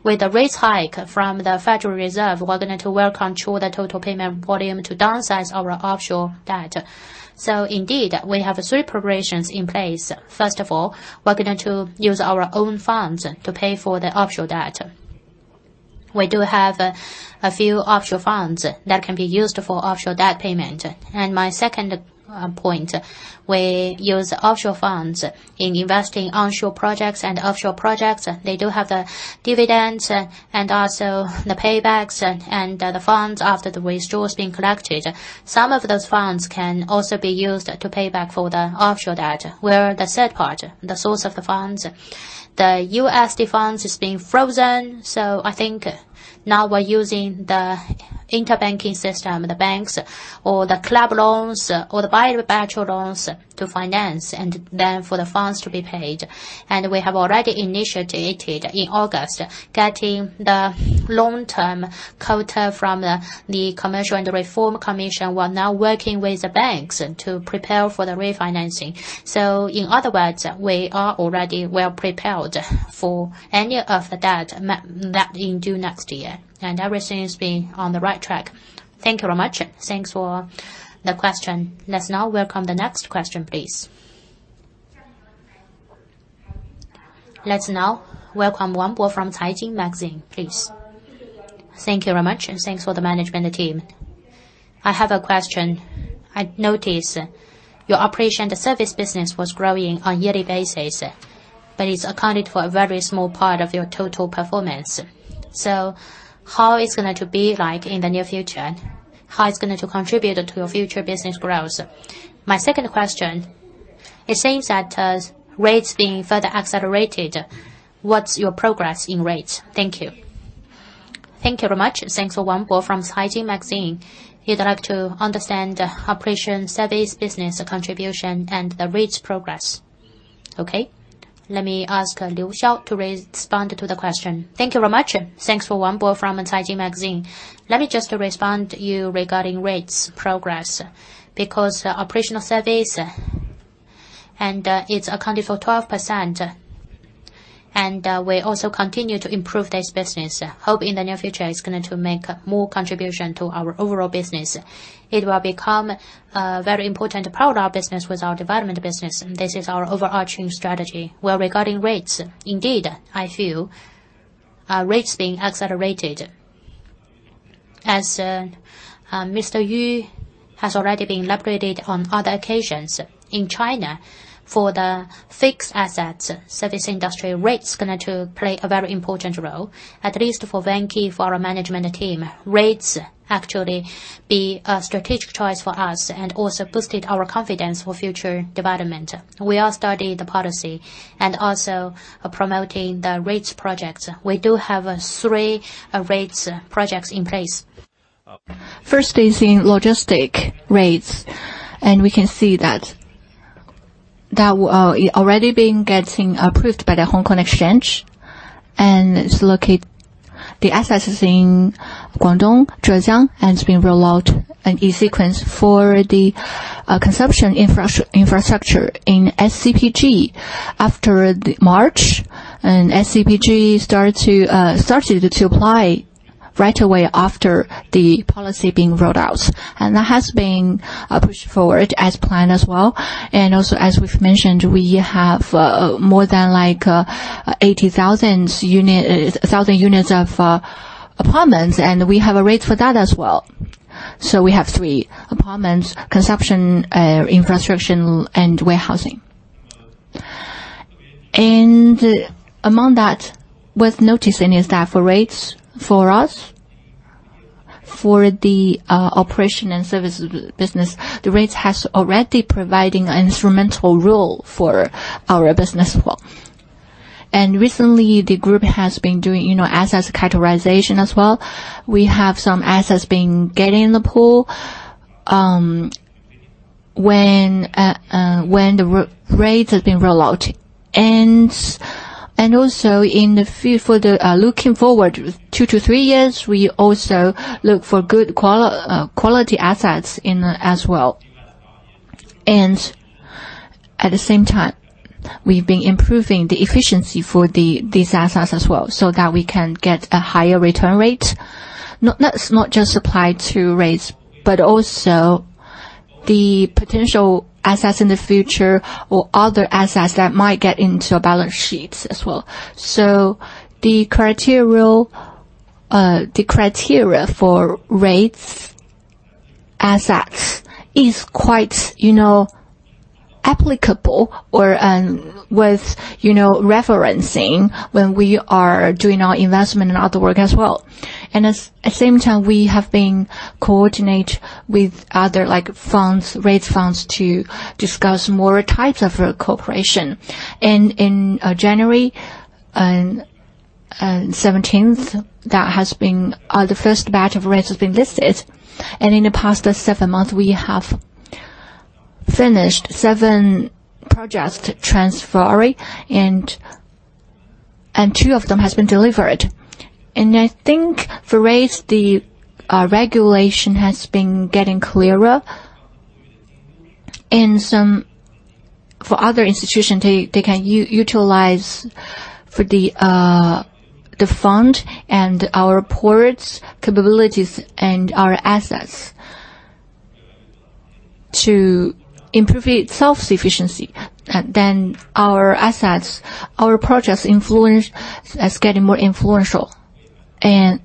with the rate hike from the Federal Reserve. We're going to well control the total payment volume to downsize our offshore debt. So indeed, we have three preparations in place. First of all, we're going to use our own funds to pay for the offshore debt. We do have a few offshore funds that can be used for offshore debt payment. And my second point, we use offshore funds in investing onshore projects and offshore projects. They do have the dividends and also the paybacks and, and the funds after the resource being collected. Some of those funds can also be used to pay back for the offshore debt, where the third part, the source of the funds, the US dollar funds is being frozen. So I think now we're using the interbank system, the banks or the club loans or the buyback loans to finance and then for the funds to be paid. And we have already initiated in August, getting the long-term quota from the National Development and Reform Commission. We're now working with the banks to prepare for the refinancing. So in other words, we are already well prepared for any of the debt that is due next year, and everything is on the right track. Thank you very much. Thanks for the question. Let's now welcome the next question, please. Let's now welcome Wang Bo from Caijing Magazine, please. Thank you very much, and thanks for the management team. I have a question. I noticed your operation, the service business, was growing on a yearly basis, but it's accounted for a very small part of your total performance. So how it's going to be like in the near future? How it's going to contribute to your future business growth? My second question, it seems that REITs being further accelerated. What's your progress in REITs? Thank you. Thank you very much. Thanks for Wang Bo from Caijing Magazine. He'd like to understand operation, service, business contribution, and the REITs progress. Okay, let me ask Liu Xiao to respond to the question. Thank you very much. Thanks for Wang Bo from Caijing Magazine. Let me just respond to you regarding REITs progress, because operational service, and, it's accounted for 12%, and, we also continue to improve this business. Hope in the near future, it's going to make more contribution to our overall business. It will become a very important part of our business with our development business, and this is our overarching strategy. Well, regarding REITs, indeed, I feel, REITs being accelerated. As, Mr. Yu has already been elaborated on other occasions, in China, for the fixed asset service industry, REITs is going to play a very important role, at least for Vanke, for our management team. REITs actually be a strategic choice for us and also boosted our confidence for future development. We are studying the policy and also promoting the REITs projects. We do have, three, REITs projects in place. First is in logistics REITs, and we can see that, that, it already been getting approved by the Hong Kong Exchange, and it's located... The asset is in Guangdong, Zhejiang, and it's been rolled out in E sequence. For the, consumption infrastructure in SCPG, after the March, and SCPG started to apply right away after the policy being rolled out. And that has been pushed forward as planned as well. And also, as we've mentioned, we have more than, like, 80,000 units of apartments, and we have a REIT for that as well. So we have three apartments, consumption infrastructure, and warehousing. And among that, worth noticing is that for REITs, for us, for the operation and service business, the REITs has already providing an instrumental role for our business as well. Recently, the group has been doing, you know, assets categorization as well. We have some assets being getting in the pool when the REITs has been rolled out. And also in the future, for the looking forward two three years, we also look for good quality assets in as well. And at the same time, we've been improving the efficiency for these assets as well, so that we can get a higher return rate. Not just applied to REITs, but also the potential assets in the future or other assets that might get into our balance sheets as well. So the criteria for REITs assets is quite, you know, applicable or with, you know, referencing when we are doing our investment and other work as well. At the same time, we have been coordinate with other, like, funds, REITs funds, to discuss more types of cooperation. In January on 17th, that has been the first batch of REITs has been listed. In the past seven months, we have finished seven projects transfers, and two of them has been delivered. I think for REITs, the regulation has been getting clearer. And some... For other institutions, they can utilize the fund and our REITs capabilities, and our assets to improve its self-sufficiency. Then our assets, our projects influence, is getting more influential. I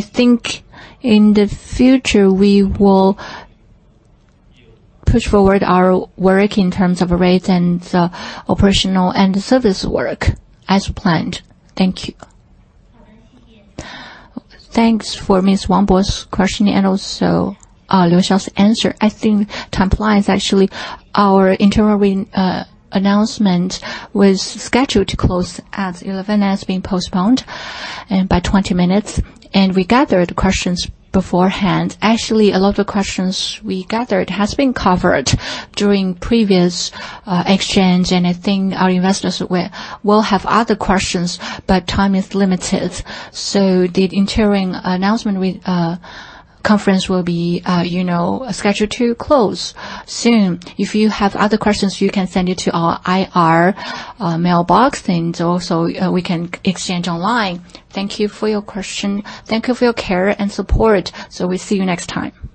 think in the future, we will push forward our work in terms of REITs and operational and service work as planned. Thank you. Thanks for Ms. Wang Bo's question and also Liu Xiao's answer. I think time-wise, actually, our interim results announcement was scheduled to close at 11, has been postponed by 20 minutes, and we gathered questions beforehand. Actually, a lot of questions we gathered has been covered during previous exchange, and I think our investors will, will have other questions, but time is limited. So the interim announcement conference will be, you know, scheduled to close soon. If you have other questions, you can send it to our IR mailbox, and also, we can exchange online. Thank you for your question. Thank you for your care and support. So we see you next time.